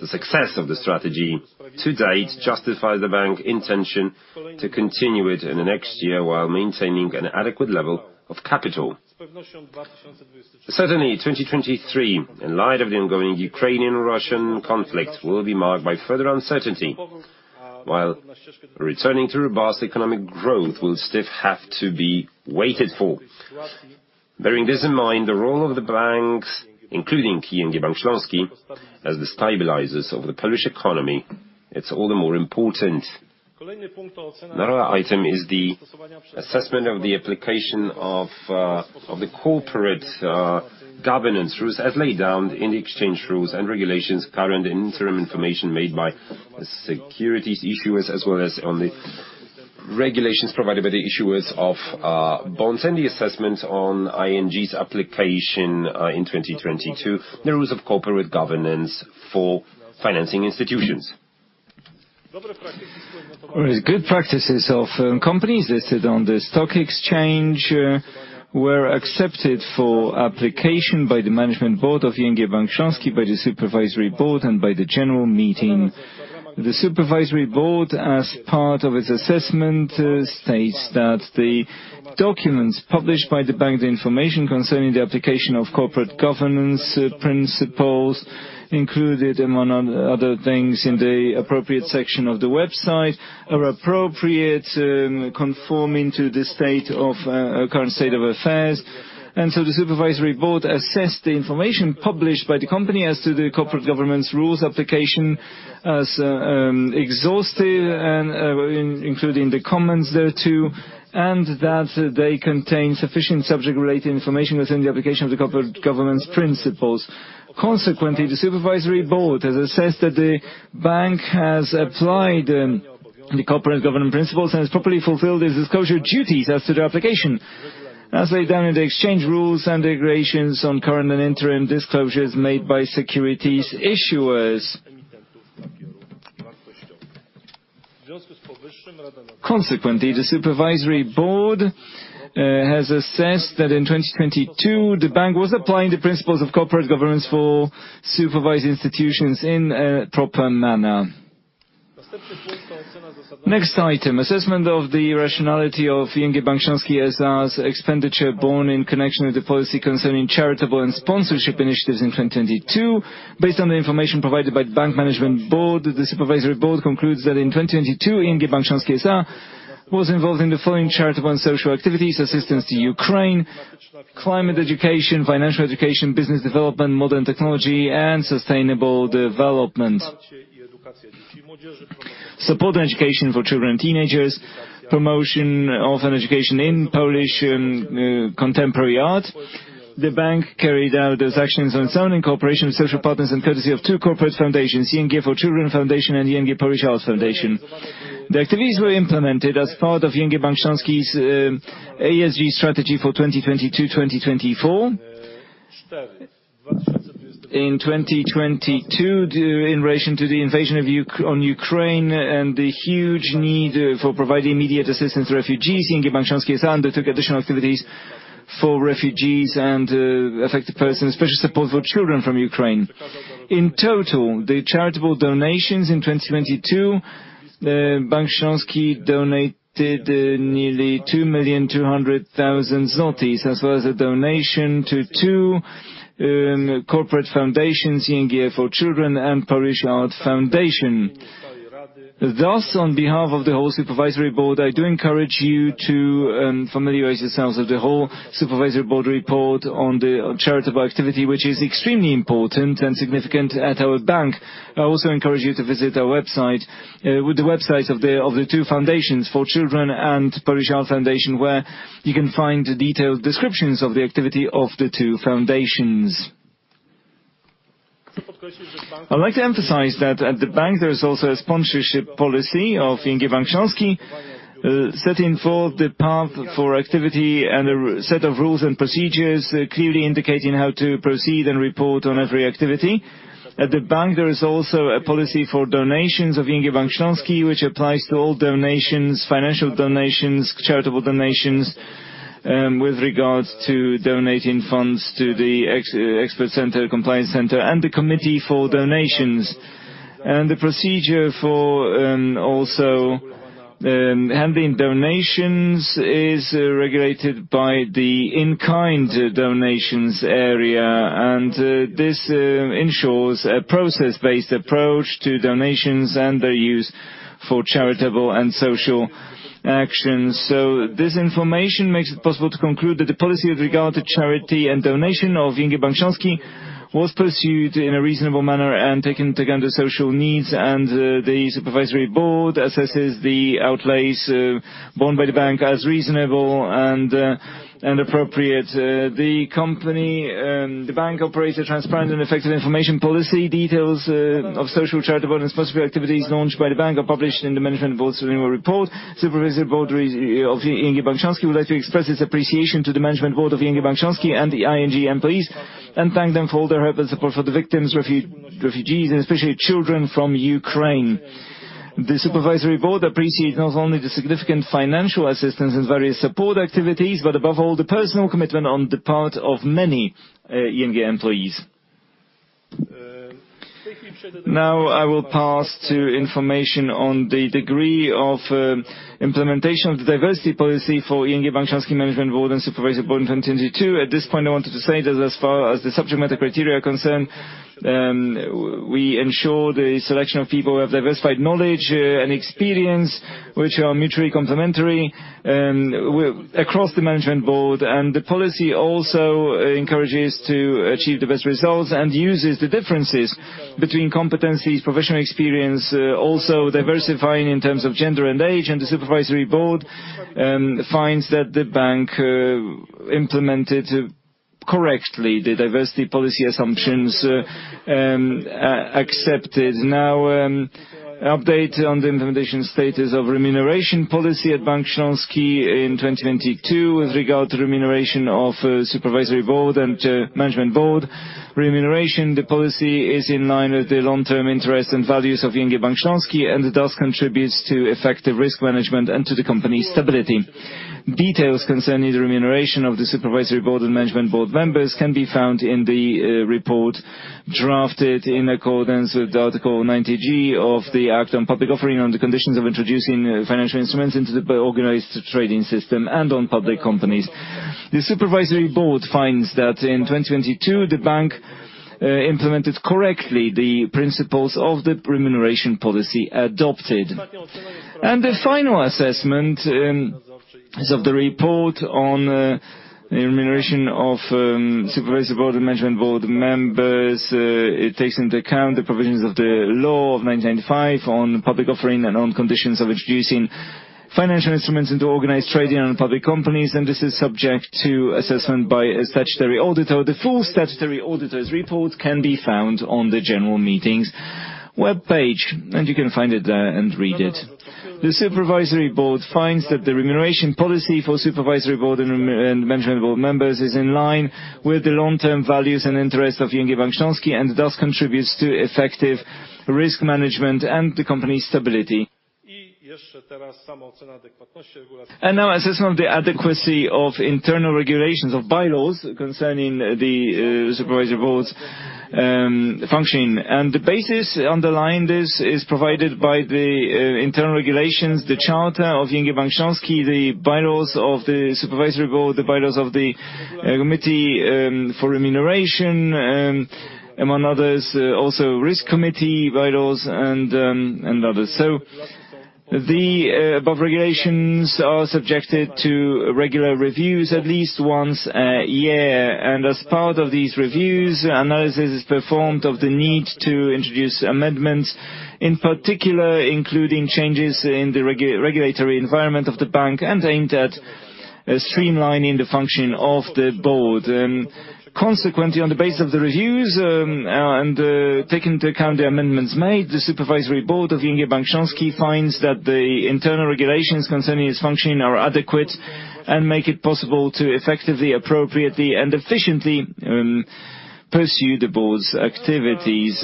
The success of the strategy to date justifies the bank intention to continue it in the next year while maintaining an adequate level of capital. Certainly, 2023, in light of the ongoing Ukrainian-Russian conflict, will be marked by further uncertainty while returning to robust economic growth will still have to be waited for. Bearing this in mind, the role of the banks, including ING Bank Śląski, as the stabilizers of the Polish economy, it's all the more important. Another item is the assessment of the application of the corporate governance rules as laid down in the exchange rules and regulations, current and interim information made by the securities issuers as well as on the regulations provided by the issuers of bonds, and the assessment on ING's application in 2022, the rules of corporate governance for financing institutions. Good practices of companies listed on the stock exchange were accepted for application by the management board of ING Bank Śląski, by the Supervisory Board, and by the General Meeting. The Supervisory Board, as part of its assessment, states that the documents published by the bank, the information concerning the application of corporate governance principles included among other things in the appropriate section of the website are appropriate, conforming to the state of current state of affairs. The Supervisory Board assessed the information published by the company as to the corporate governance rules application as exhaustive and including the comments thereto, and that they contain sufficient subject related information within the application of the corporate governance principles. Consequently, the Supervisory Board has assessed that the bank has applied. The corporate governance principles has properly fulfilled its disclosure duties as to the application. As laid down in the exchange rules and regulations on current and interim disclosures made by securities issuers. Consequently, the supervisory board has assessed that in 2022, the bank was applying the principles of corporate governance for supervised institutions in a proper manner. Next item, assessment of the rationality of ING Bank Śląski S.A.'s expenditure borne in connection with the policy concerning charitable and sponsorship initiatives in 2022. Based on the information provided by bank Management Board, the supervisory board concludes that in 2022, ING Bank Śląski S.A. was involved in the following charitable and social activities: assistance to Ukraine, climate education, financial education, business development, modern technology, and sustainable development, support education for children, teenagers, promotion of an education in Polish and contemporary art. The bank carried out those actions on its own in cooperation with social partners and courtesy of 2 corporate foundations, ING for Children Foundation and ING Polish Art Foundation. The activities were implemented as part of ING Bank Śląski's ESG strategy for 2022, 2024. In 2022, in relation to the invasion on Ukraine and the huge need for providing immediate assistance to refugees, ING Bank Śląski S.A. undertook additional activities for refugees and affected persons, special support for children from Ukraine. In total, the charitable donations in 2022, Bank Śląski donated nearly 2,200,000 zlotys, as well as a donation to 2 corporate foundations, ING Here for Children and Polish Art Foundation. Thus, on behalf of the whole Supervisory Board, I do encourage you to familiarize yourselves with the whole Supervisory Board report on the charitable activity, which is extremely important and significant at our bank. I also encourage you to visit our website with the websites of the two foundations, For Children and Polish Art Foundation, where you can find detailed descriptions of the activity of the two foundations. I'd like to emphasize that at the bank, there is also a sponsorship policy of ING Bank Śląski, setting forth the path for activity and a set of rules and procedures, clearly indicating how to proceed and report on every activity. At the bank, there is also a policy for donations of ING Bank Śląski which applies to all donations, financial donations, charitable donations, with regards to donating funds to the ex-expert center, Compliance Center, and the Committee for Donations. The procedure for also handling donations is regulated by the in-kind donations area. This ensures a process-based approach to donations and their use for charitable and social actions. This information makes it possible to conclude that the policy with regard to charity and donation of ING Bank Śląski was pursued in a reasonable manner and taking into account the social needs and the Supervisory Board assesses the outlays borne by the bank as reasonable and appropriate. The company, the bank operates a transparent and effective information policy. Details of social, charitable, and specific activities launched by the bank are published in the Management Board's annual report. Supervisory Board of ING Bank Śląski would like to express its appreciation to the Management Board of ING Bank Śląski and the ING employees and thank them for all their help and support for the victims, refugees, and especially children from Ukraine. The Supervisory Board appreciate not only the significant financial assistance and various support activities, but above all, the personal commitment on the part of many ING employees. Now I will pass to information on the degree of implementation of the diversity policy for ING Bank Śląski Management Board and Supervisory Board in 2022. At this point, I wanted to say that as far as the subject matter criteria are concerned, we ensure the selection of people who have diversified knowledge and experience, which are mutually complementary across the Management Board. The policy also encourages to achieve the best results and uses the differences between competencies, professional experience, also diversifying in terms of gender and age. The Supervisory Board finds that the bank implemented correctly the diversity policy assumptions accepted. Now, update on the implementation status of remuneration policy at ING Bank Śląski in 2022 with regard to remuneration of Supervisory Board and the Management Board. Remuneration, the policy is in line with the long-term interests and values of ING Bank Śląski, and thus contributes to effective risk management and to the company's stability. Details concerning the remuneration of the Supervisory Board and Management Board members can be found in the report drafted in accordance with Article 90g of the Act on Public Offering on the Conditions of Introducing Financial Instruments into the organized trading system and on public companies. The Supervisory Board finds that in 2022, the Bank implemented correctly the principles of the remuneration policy adopted. The final assessment is of the report on remuneration of Supervisory Board and Management Board members. It takes into account the provisions of the law of 1995 on public offering and on conditions of introducing financial instruments into organized trading and public companies, this is subject to assessment by a statutory auditor. The full statutory auditor's report can be found on the General Meeting's webpage, you can find it there and read it. The supervisory board finds that the remuneration policy for supervisory board and management board members is in line with the long-term values and interests of ING Bank Śląski and thus contributes to effective risk management and the company's stability. Now assessment the adequacy of internal regulations of bylaws concerning the supervisory board's functioning. The basis underlying this is provided by the internal regulations, the charter of ING Bank Śląski, the bylaws of the supervisory board, the bylaws of the Remuneration Committee among others, also Risk Committee bylaws and others. The above regulations are subjected to regular reviews at least once a year. As part of these reviews, analysis is performed of the need to introduce amendments, in particular, including changes in the regulatory environment of the bank and aimed at streamlining the functioning of the board. Consequently, on the base of the reviews, and taking into account the amendments made, the Supervisory Board of ING Bank Śląski finds that the internal regulations concerning its functioning are adequate and make it possible to effectively, appropriately, and efficiently pursue the board's activities.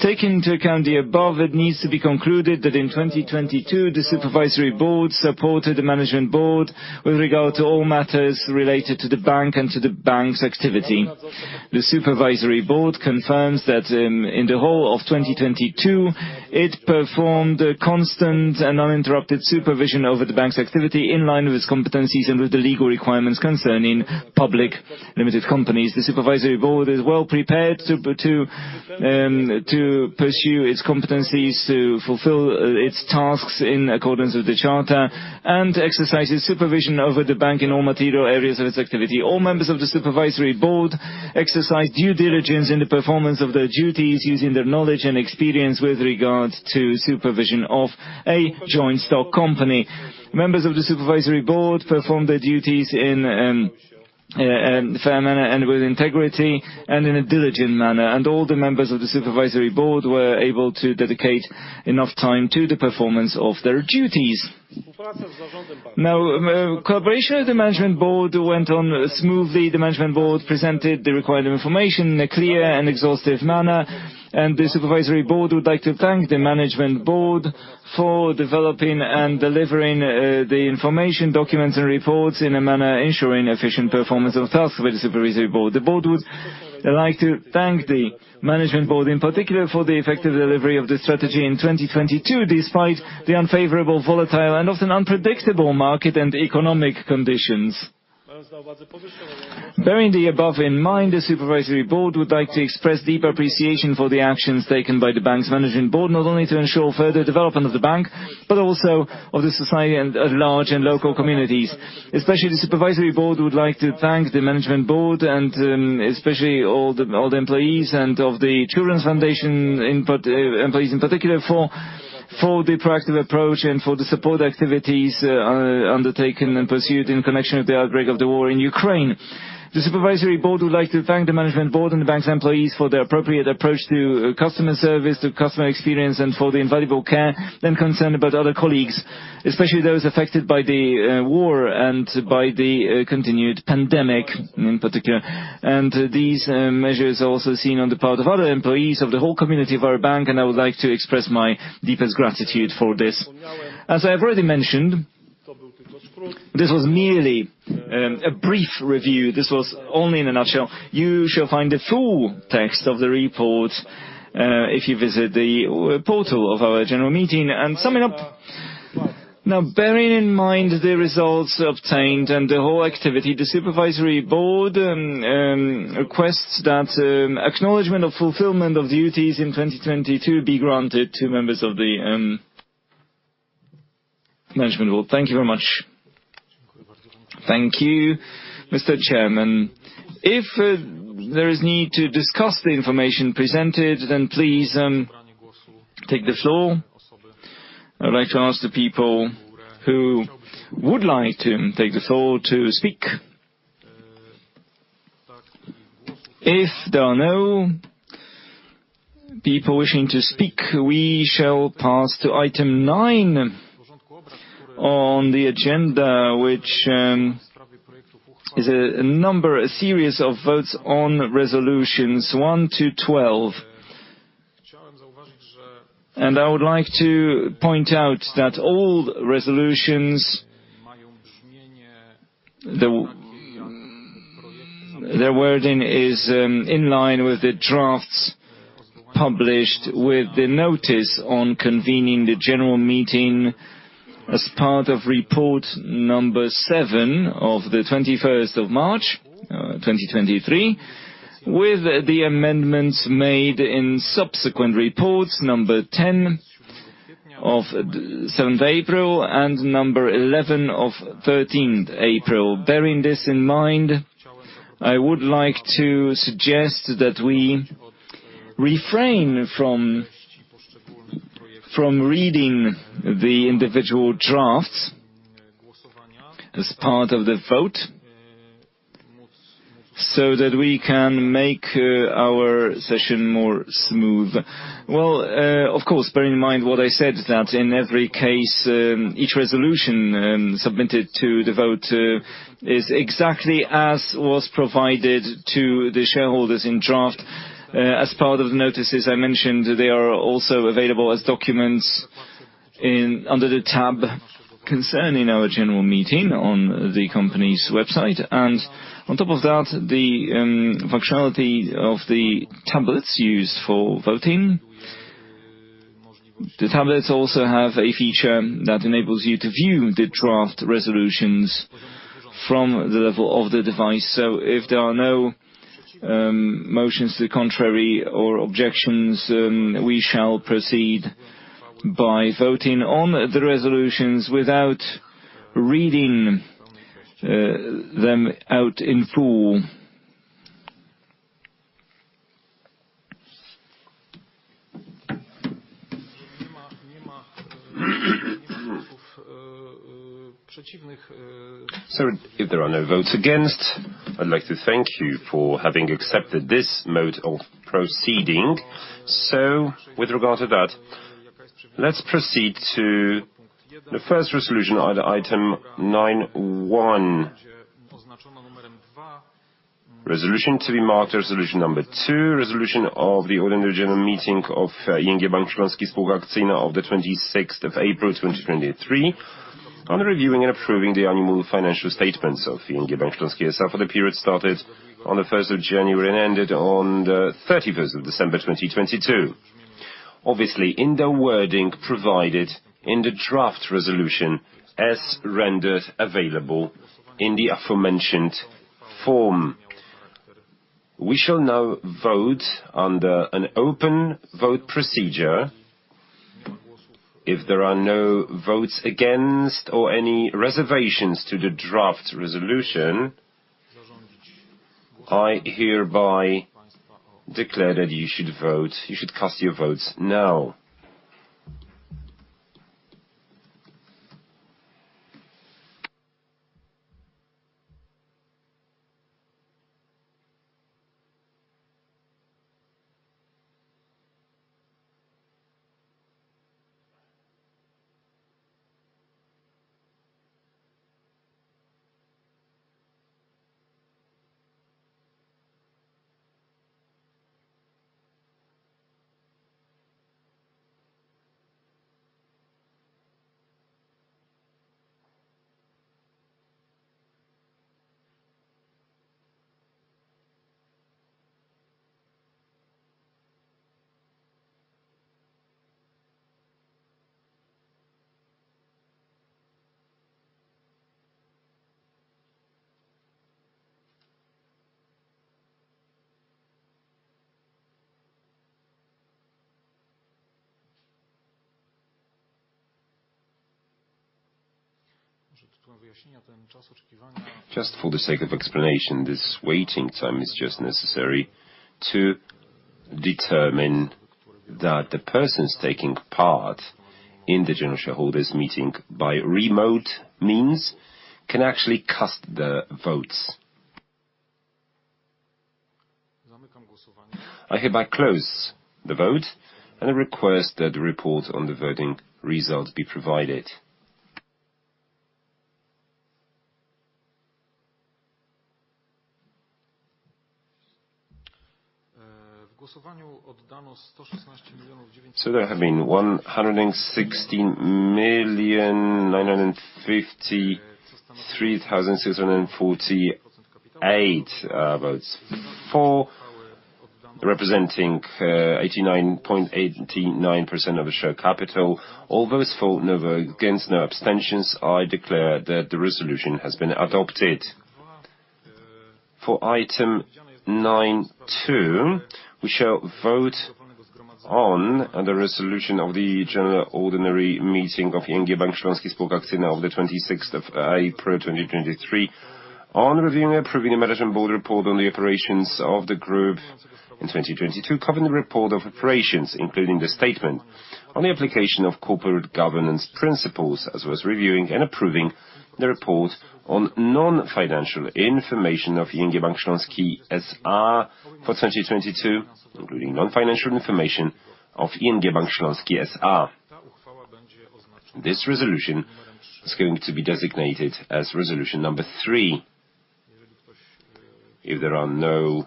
Taking into account the above, it needs to be concluded that in 2022, the Supervisory Board supported the Management Board with regard to all matters related to the bank and to the bank's activity. The Supervisory Board confirms that, in the whole of 2022, it performed a constant and uninterrupted supervision over the Bank's activity in line with its competencies and with the legal requirements concerning public limited companies. The Supervisory Board is well prepared to pursue its competencies to fulfill its tasks in accordance with the charter and exercises supervision over the Bank in all material areas of its activity. All members of the Supervisory Board exercise due diligence in the performance of their duties using their knowledge and experience with regards to supervision of a joint stock company. Members of the Supervisory Board perform their duties in a fair manner and with integrity and in a diligent manner. All the members of the Supervisory Board were able to dedicate enough time to the performance of their duties. Collaboration with the Management Board went on smoothly. The Management Board presented the required information in a clear and exhaustive manner. The Supervisory Board would like to thank the Management Board for developing and delivering the information, documents, and reports in a manner ensuring efficient performance of tasks with the Supervisory Board. The Board would like to thank the Management Board in particular for the effective delivery of the strategy in 2022, despite the unfavorable, volatile, and often unpredictable market and economic conditions. Bearing the above in mind, the Supervisory Board would like to express deep appreciation for the actions taken by the bank's Management Board, not only to ensure further development of the bank, but also of the society and, at large in local communities. Especially, the Supervisory Board would like to thank the Management Board and especially all the employees and of the ING for Children Foundation employees in particular for the proactive approach and for the support activities undertaken and pursued in connection with the outbreak of the war in Ukraine. The Supervisory Board would like to thank the Management Board and the Bank's employees for their appropriate approach to customer service, to customer experience, and for the invaluable care and concern about other colleagues, especially those affected by the war and by the continued pandemic in particular. These measures are also seen on the part of other employees of the whole community of our Bank, and I would like to express my deepest gratitude for this. As I've already mentioned, this was merely a brief review.
This was only in a nutshell. You shall find the full text of the report, if you visit the portal of our General Meeting. Summing up, now bearing in mind the results obtained and the whole activity, the Supervisory Board requests that acknowledgement of fulfillment of duties in 2022 be granted to members of the Management Board. Thank you very much. Thank you, Mr. Chairman. If there is need to discuss the information presented, then please take the floor. I'd like to ask the people who would like to take the floor to speak. If there are no people wishing to speak, we shall pass to item 9 on the agenda, which is a number, a series of votes on resolutions 1 to 12.
I would like to point out that all resolutions, their wording is in line with the drafts published with the notice on convening the General Meeting as part of report number 7 of the 21st of March 2023, with the amendments made in subsequent reports number 10 of 7th of April and number 11 of 13th April. Bearing this in mind, I would like to suggest that we Refrain from reading the individual drafts as part of the vote so that we can make our session more smooth. Well, of course, bear in mind what I said that in every case, each resolution, submitted to the vote, is exactly as was provided to the shareholders in draft. As part of the notices I mentioned, they are also available as documents under the tab concerning our General Meeting on the company's website. On top of that, the functionality of the tablets used for voting. The tablets also have a feature that enables you to view the draft resolutions from the level of the device. If there are no motions to the contrary or objections, we shall proceed by voting on the resolutions without reading them out in full. If there are no votes against, I'd like to thank you for having accepted this mode of proceeding. With regard to that, let's proceed to the first resolution under item nine one. Resolution to be marked as resolution number two. Resolution of the ordinary General Meeting of ING Bank Śląski Spółka Akcyjna of the 26th of April, 2023, on reviewing and approving the annual financial statements of ING Bank Śląski SA for the period started on the 1st of January and ended on the 31st of December, 2022. Obviously, in the wording provided in the draft resolution as rendered available in the aforementioned form. We shall now vote under an open vote procedure. If there are no votes against or any reservations to the draft resolution, I hereby declare that you should vote. You should cast your votes now. Just for the sake of explanation, this waiting time is just necessary to determine that the persons taking part in the general shareholders meeting by remote means can actually cast their votes. I hereby close the vote and request that the report on the voting results be provided. There have been 116,953,648 votes for, representing 89.89% of the share capital. All those for, none against, no abstentions, I declare that the resolution has been adopted. For item 9.2, we shall vote on the resolution of the general ordinary meeting of ING Bank Śląski Spółka Akcyjna of the 26th of April, 2023 on reviewing and approving a Management Board report on the operations of the group in 2022, covering the report of operations, including the statement on the application of corporate governance principles, as well as reviewing and approving the report on non-financial information of ING Bank Śląski S.A. for 2022, including non-financial information of ING Bank Śląski S.A. This resolution is going to be designated as resolution number 3. If there are no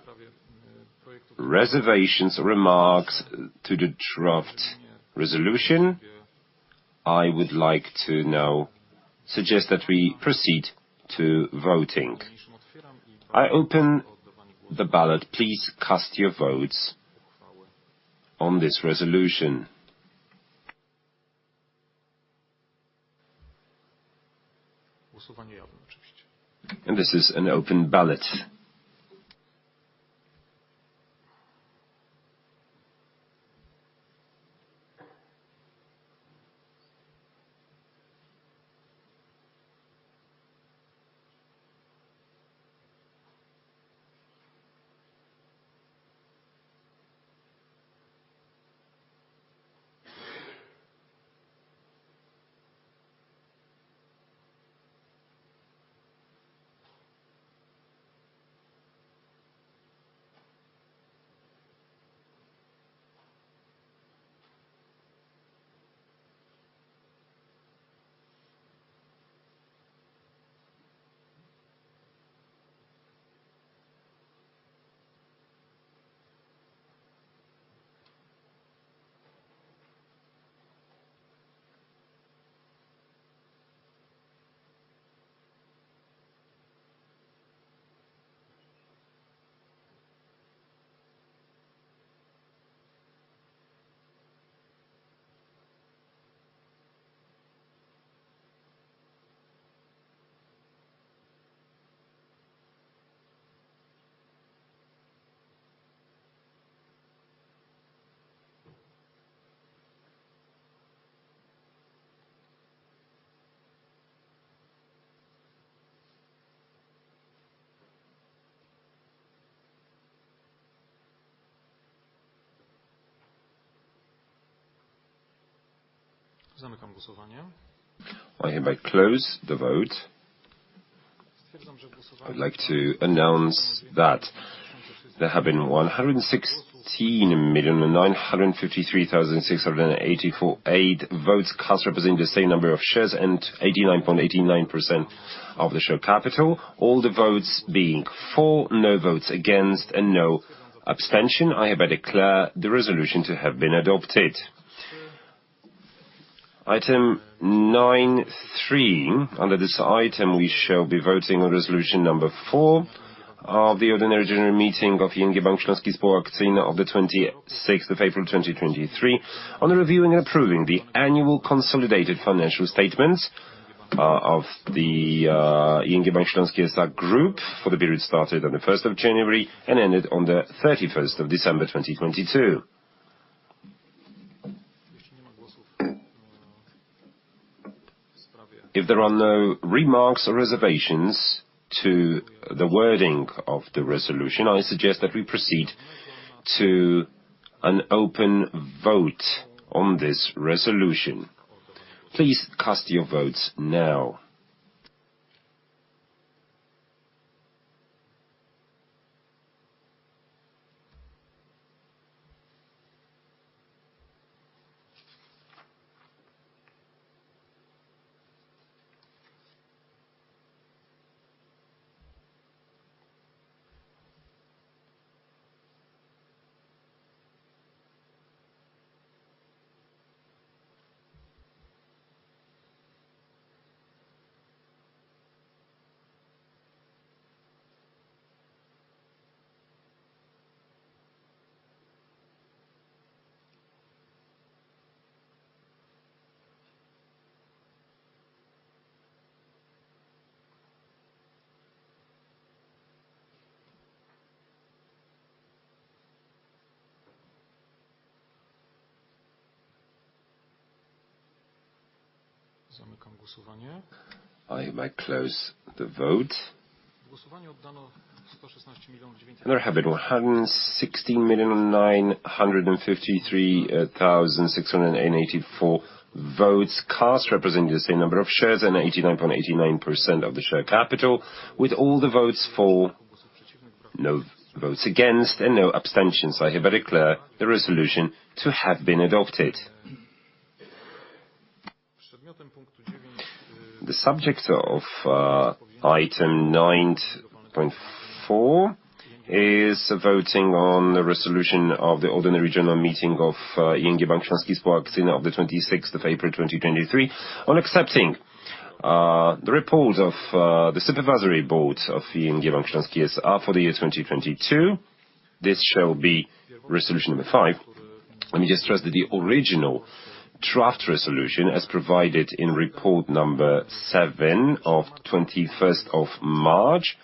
reservations or remarks to the draft resolution, I would like to now suggest that we proceed to voting. I open the ballot. Please cast your votes on this resolution. This is an Open Ballot. zamykam głosowanie. I hereby close the vote. Stwierdzam, że w głosowaniu- I'd like to announce that there have been 116,953,684 eight votes cast representing the same number of shares and 89.89% of the share capital, all the votes being for, no votes against and no abstention. I hereby declare the resolution to have been adopted. Item 9.3. Under this item, we shall be voting on resolution number four of the ordinary General Meeting of ING Bank Śląski S.A. of the 26th of April 2023 on reviewing and approving the annual consolidated financial statements of the ING Bank Śląski S.A. group for the period started on the 1st of January and ended on the 31st of December 2022. Jeśli nie ma głosów w sprawie. If there are no remarks or reservations to the wording of the resolution, I suggest that we proceed to an open vote on this resolution. Please cast your votes now. Zamykam głosowanie. I hereby close the vote. There have been 116,953,684 votes cast, representing the same number of shares and 89.89% of the share capital, with all the votes for, no votes against, and no abstentions. I hereby declare the resolution to have been adopted. The subject of item 9.4 is voting on the resolution of the ordinary General Meeting of ING Bank Śląski S.A. of the 26th of April 2023 on accepting the report of the Supervisory Board of ING Bank Śląski S.A. for the year 2022. This shall be resolution number 5. Let me just stress that the original draft resolution, as provided in report number 7 of 21st of March,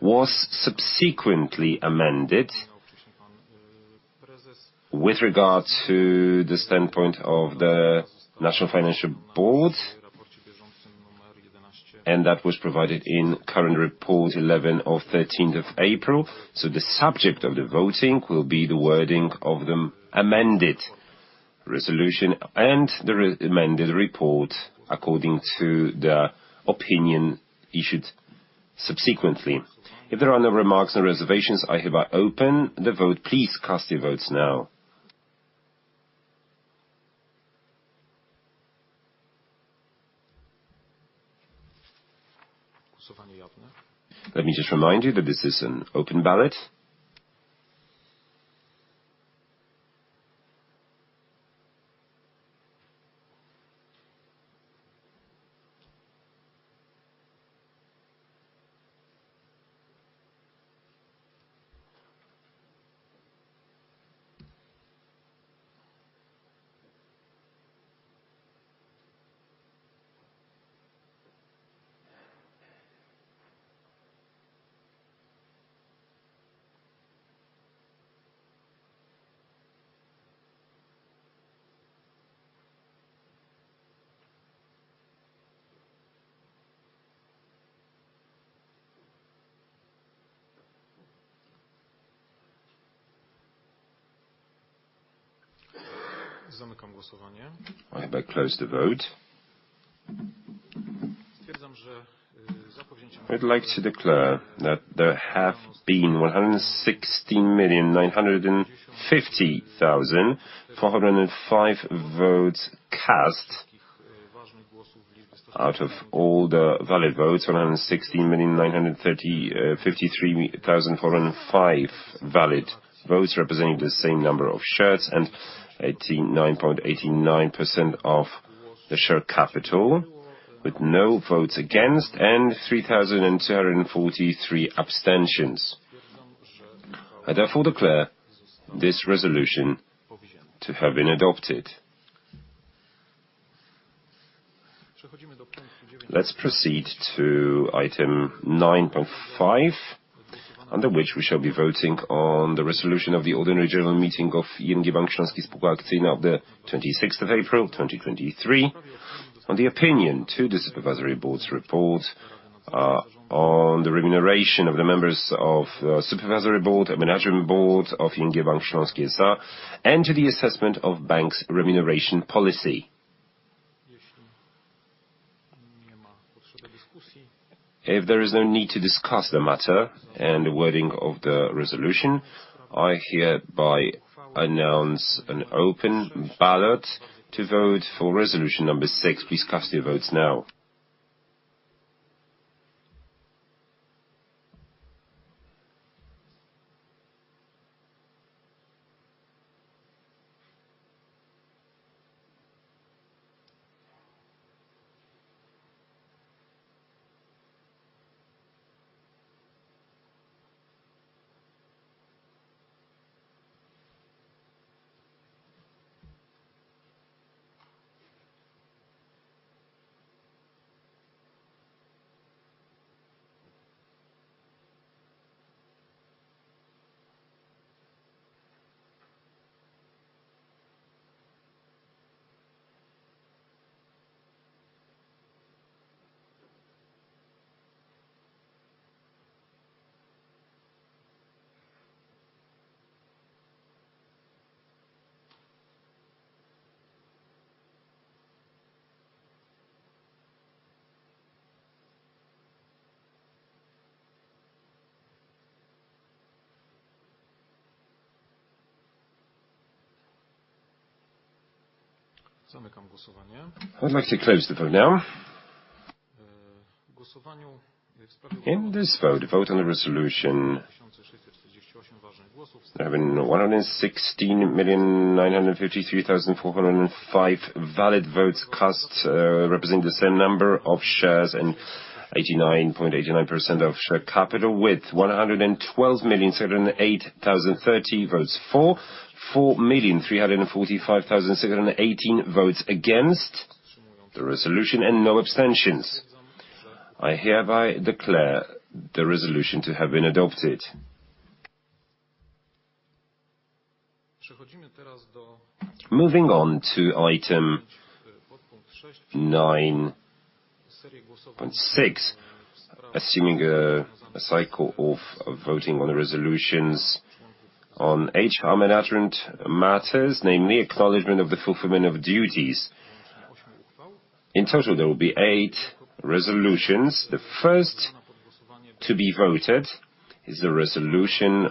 was subsequently amended with regard to the standpoint of the National Financial Board, and that was provided in current report 11 of 13th of April. The subject of the voting will be the wording of the amended resolution and the amended report according to the opinion issued subsequently. If there are no remarks or reservations, I hereby open the vote. Please cast your votes now. Głosowanie jawne. Let me just remind you that this is an Open Ballot. zamykam głosowanie. I hereby close the vote. Stwierdzam, że I'd like to declare that there have been 116,950,405 votes cast out of all the valid votes. 116,953,405 valid votes representing the same number of shares and 89.89% of the share capital, with no votes against and 3,243 abstentions. I therefore declare this resolution to have been adopted. Let's proceed to item 9.5, under which we shall be voting on the resolution of the ordinary General Meeting of ING Bank Śląski Spółka Akcyjna of the 26th of April 2023, on the opinion to the Supervisory Board's report, on the remuneration of the members of Supervisory Board and Management Board of ING Bank Śląski S.A. and to the assessment of Bank's remuneration policy. If there is no need to discuss the matter and the wording of the resolution, I hereby announce an Open Ballot to vote for resolution number 6. Please cast your votes now. Zamykam głosowanie. I'd like to close the vote now. In this vote on the resolution 116,953,405 valid votes cast, representing the same number of shares and 89.89% of share capital with 112,708,030 votes for, 4,345,618 votes against the resolution and no abstentions. I hereby declare the resolution to have been adopted. Moving on to item 9.6, assuming a cycle of voting on the resolutions on HR management matters, namely acknowledgement of the fulfillment of duties. In total, there will be eight resolutions. The first to be voted is the resolution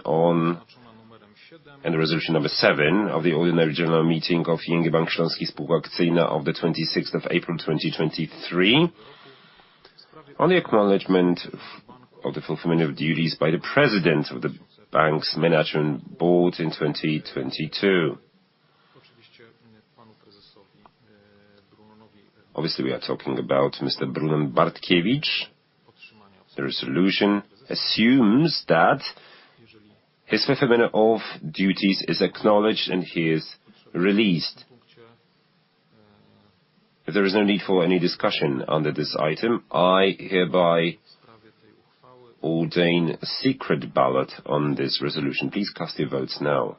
number 7 of the ordinary General Meeting of ING Bank Śląski Spółka Akcyjna of the 26th of April 2023 on the acknowledgement of the fulfillment of duties by the President of the Management Board in 2022. Obviously, we are talking about Mr. Brunon Bartkiewicz. The resolution assumes that his fulfillment of duties is acknowledged, and he is released. If there is no need for any discussion under this item, I hereby ordain a Secret Ballot on this resolution. Please cast your votes now.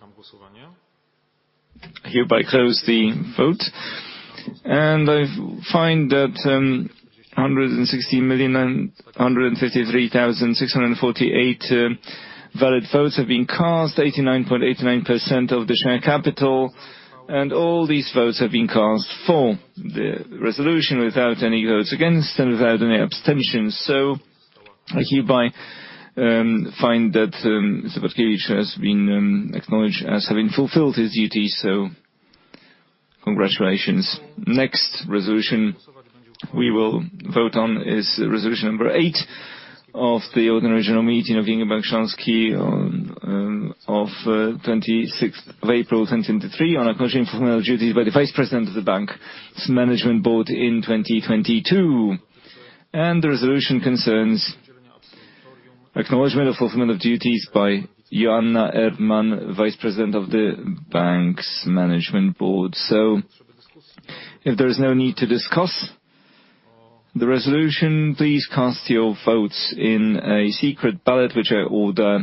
Zamykam głosowanie. I hereby close the vote. I find that 116,153,648 Valid votes have been cast 89.89% of the share capital. All these votes have been cast for the resolution without any votes against and without any abstentions. I hereby find that Mr. Bartkiewicz has been acknowledged as having fulfilled his duties. Congratulations. Next resolution we will vote on is resolution number 8 of the extraordinary General Meeting of ING Bank Śląski on the 26th of April 2023 on acknowledging fulfillment of duties by the Vice-President of the bank's Management Board in 2022. The resolution concerns acknowledgement of fulfillment of duties by Joanna Erdman, Vice-President of the bank's Management Board. If there is no need to discuss the resolution, please cast your votes in a Secret Ballot, which I order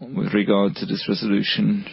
with regard to this resolution.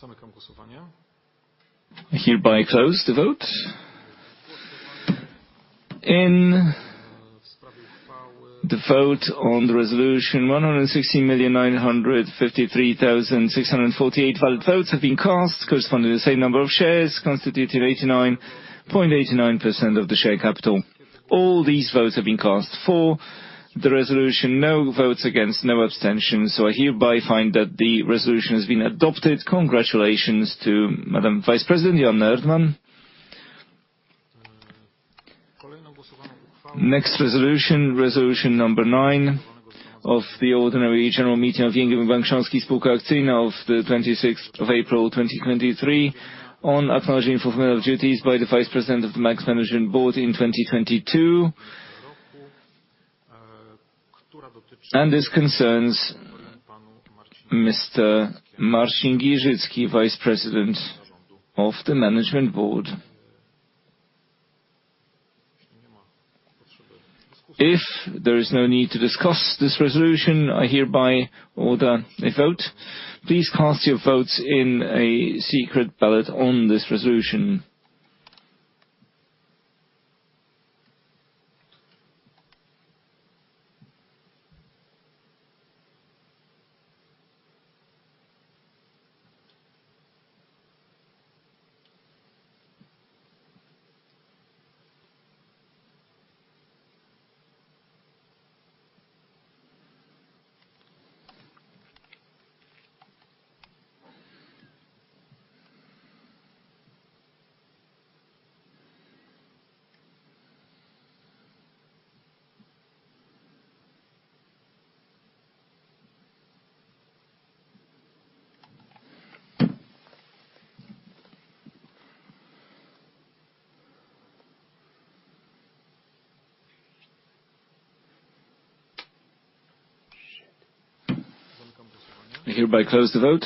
I hereby close the vote. In the vote on the resolution 116,953,648 valid votes have been cast corresponding to the same number of shares constituting 89.89% of the share capital. All these votes have been cast for the resolution. No votes against, no abstentions. I hereby find that the resolution has been adopted. Congratulations to Madam Vice President, Joanna Erdman. Next resolution number 9 of the ordinary General Meeting of ING Bank Śląski Spółka Akcyjna of the 26th of April, 2023 on acknowledging fulfillment of duties by the Vice President of the bank's Management Board in 2022. This concerns Mr. Marcin Giżycki, Vice President of the Management Board. If there is no need to discuss this resolution, I hereby order a vote. Please cast your votes in a Secret Ballot on this resolution. I hereby close the vote.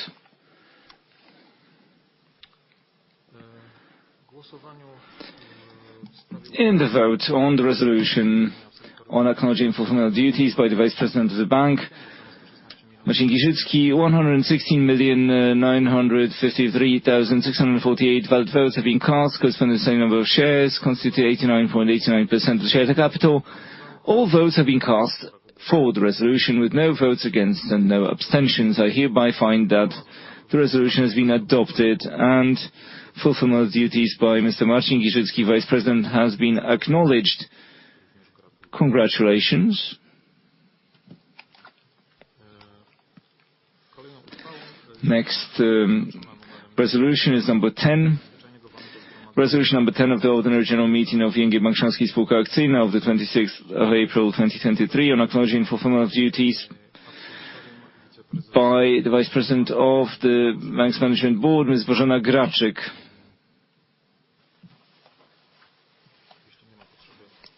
In the vote on the resolution on acknowledging fulfillment of duties by the Vice President of the bank, Marcin Giżycki, 116 million 953,648 valid votes have been cast corresponding to the same number of shares constituting 89.89% of the share capital. All votes have been cast for the resolution with no votes against and no abstentions. I hereby find that the resolution has been adopted and fulfillment of duties by Mr. Marcin Giżycki, Vice President, has been acknowledged. Congratulations. Resolution is number 10. Resolution number 10 of the ordinary General Meeting of ING Bank Śląski Spółka Akcyjna of the 26th of April, 2023 on acknowledging fulfillment of duties by the Vice President of the bank's management board, Ms. Bożena Graczyk.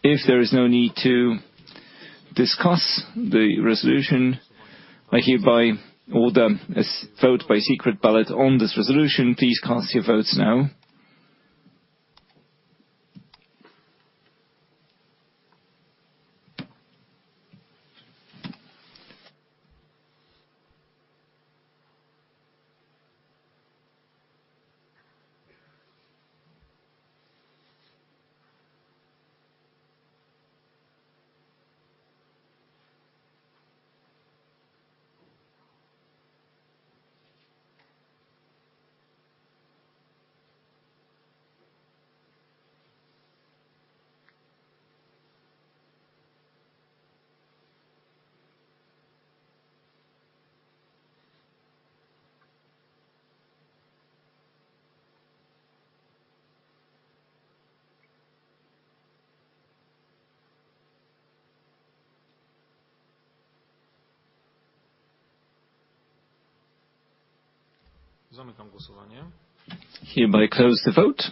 If there is no need to discuss the resolution, I hereby order a vote by Secret Ballot on this resolution. Please cast your votes now.
Zamykam głosowanie.
Hereby close the vote.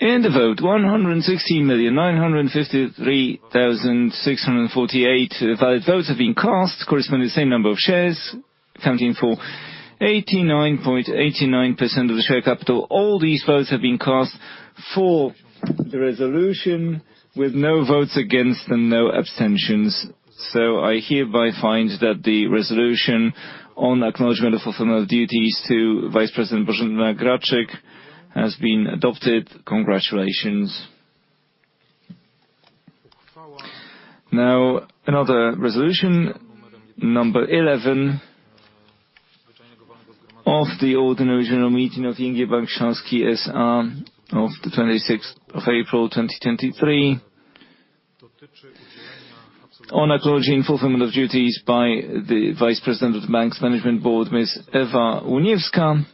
In the vote 116,953,648 valid votes have been cast corresponding to the same number of shares, accounting for 89.89% of the share capital. All these votes have been cast for the resolution with no votes against and no abstentions. I hereby find that the resolution on acknowledgement of fulfillment of duties to Vice President Bożena Graczyk has been adopted. Congratulations. Another resolution, number 11, of the ordinary General Meeting of ING Bank Śląski S.A. of the 26th of April, 2023. On acknowledging fulfillment of duties by the Vice President of the bank's management board, Ms. Ewa Łuniewska.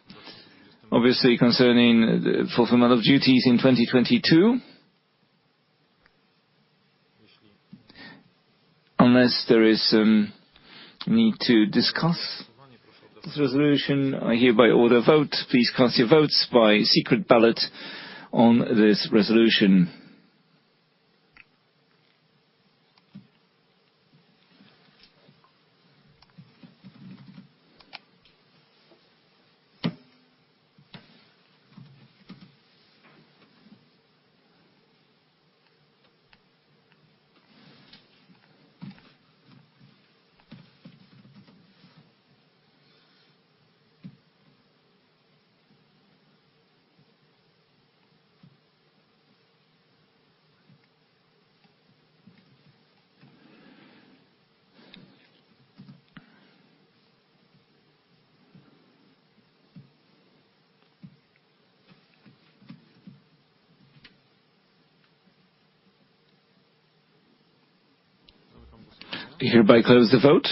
Obviously concerning the fulfillment of duties in 2022. Unless there is need to discuss this resolution, I hereby order a vote. Please cast your votes by Secret Ballot on this resolution. I hereby close the vote.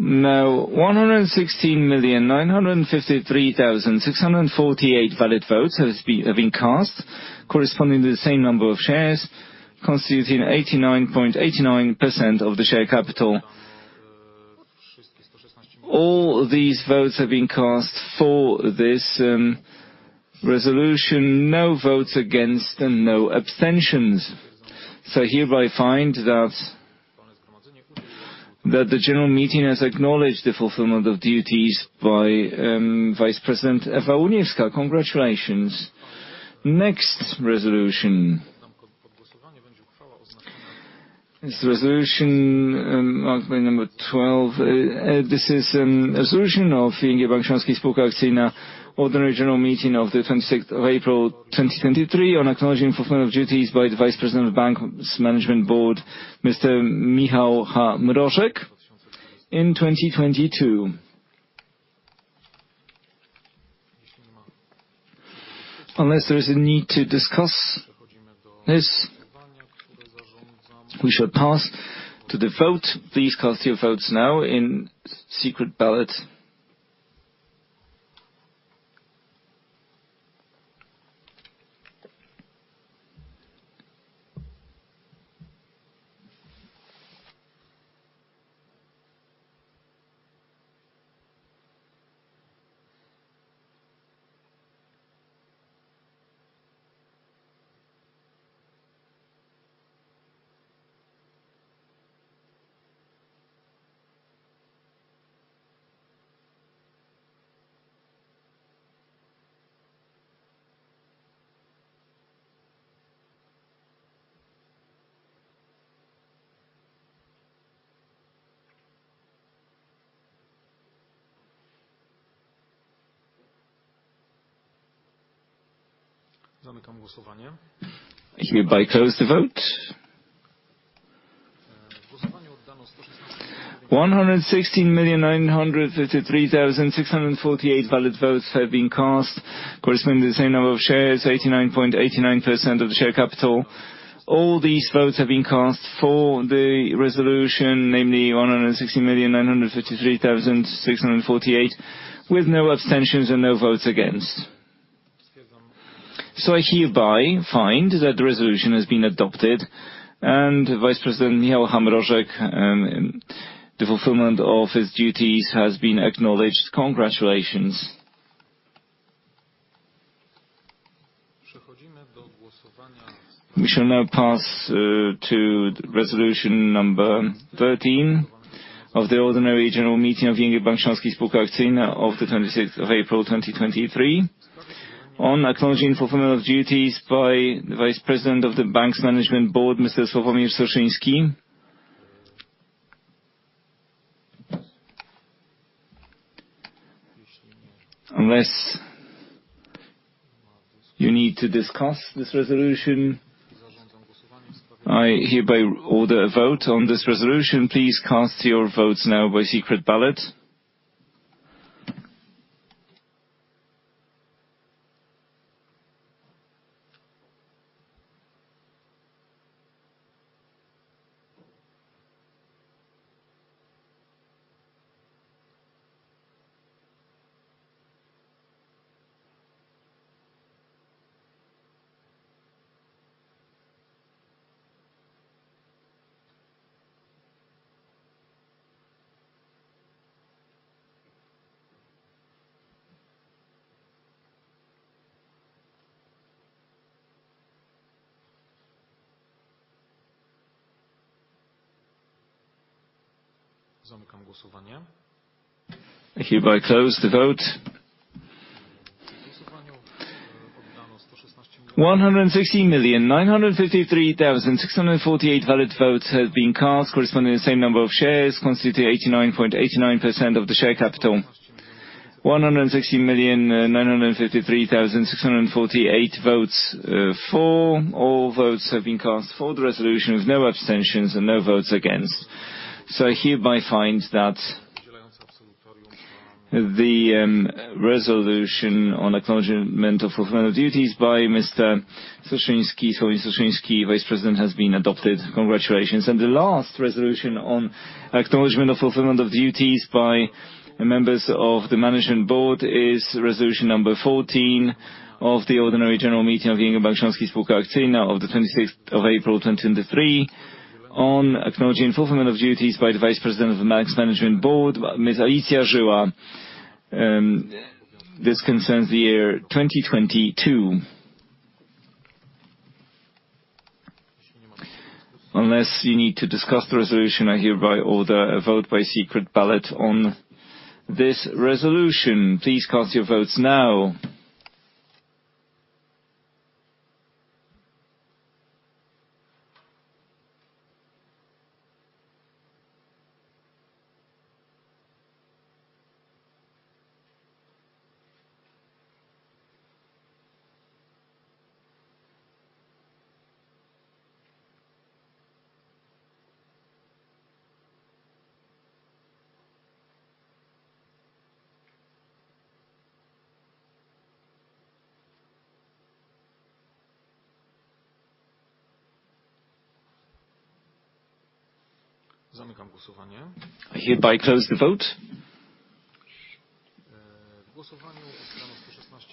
116,953,648 valid votes have been cast corresponding to the same number of shares, constituting 89.89% of the share capital. All these votes have been cast for this resolution, no votes against and no abstentions. I hereby find that the General Meeting has acknowledged the fulfillment of duties by Vice President Ewa Łuniewska. Congratulations. Next resolution. Is resolution number 12. This is a solution of ING Bank Śląski Spółka Akcyjna ordinary General Meeting of April 26, 2023, on acknowledging fulfillment of duties by the Vice President of the bank's management board, Mr. Michał H. Mrożek in 2022. Unless there is a need to discuss this, we shall pass to the vote. Please cast your votes now in Secret Ballot.
Zamykam głosowanie.
I hereby close the vote. 116,953,648 valid votes have been cast corresponding to the same number of shares, 89.89% of the share capital. All these votes have been cast for the resolution, namely 160,953,648, with no abstentions and no votes against. I hereby find that the resolution has been adopted and Vice President Michał H. Mrożek, the fulfillment of his duties has been acknowledged. Congratulations. We shall now pass to resolution number 13 of the ordinary General Meeting of ING Bank Śląski Spółka Akcyjna of the 26th of April, 2023 on acknowledging fulfillment of duties by the Vice President of the bank's Management Board, Mr. Sławomir Soszyński. You need to discuss this resolution. I hereby order a vote on this resolution. Please cast your votes now by Secret Ballot. I hereby close the vote. 160,953,648 valid votes have been cast corresponding to the same number of shares constitute 89.89% of the share capital. 160,953,648 votes for. All votes have been cast for the resolution with no abstentions and no votes against. I hereby find that the resolution on acknowledgement of fulfillment of duties by Mr. Soszyński, Sławomir Soszyński, Vice President, has been adopted. Congratulations. The last resolution on acknowledgment of fulfillment of duties by members of the Management Board is resolution number 14 of the ordinary General Meeting of ING Bank Śląski S.A. of the 26th of April 2023 on acknowledging fulfillment of duties by the Vice-President of the Management Board, Ms. Alicja Żyła. This concerns the year 2022. Unless you need to discuss the resolution, I hereby order a vote by Secret Ballot on this resolution. Please cast your votes now. I hereby close the vote.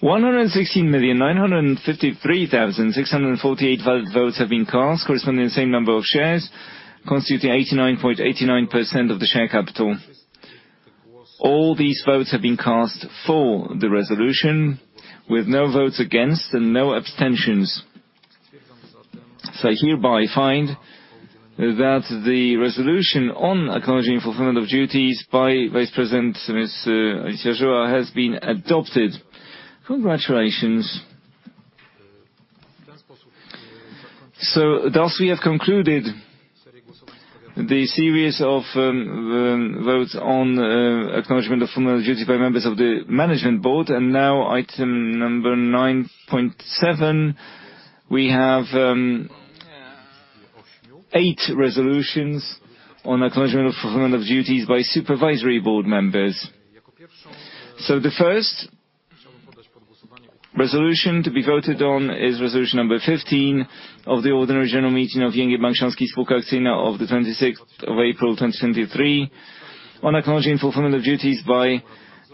116,953,648 votes have been cast corresponding to the same number of shares constituting 89.89% of the share capital. All these votes have been cast for the resolution, with no votes against and no abstentions. I hereby find that the resolution on acknowledging fulfillment of duties by Vice President Ms. Alicja Żyła has been adopted. Congratulations. Thus we have concluded the series of votes on acknowledgement of fulfillment of duty by members of the Management Board. Now item number 9.7. We have eight resolutions on acknowledgement of fulfillment of duties by Supervisory Board members. The first resolution to be voted on is resolution number 15 of the ordinary General Meeting of Bank Śląski S.A. of the 26th of April 2023 on acknowledging fulfillment of duties by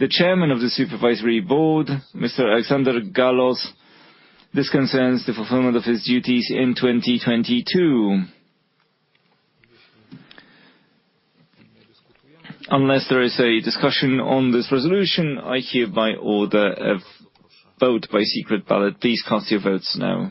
the Chairman of the Supervisory Board, Mr. Aleksander Galos. This concerns the fulfillment of his duties in 2022. Unless there is a discussion on this resolution, I hereby order a vote by Secret Ballot. Please cast your votes now.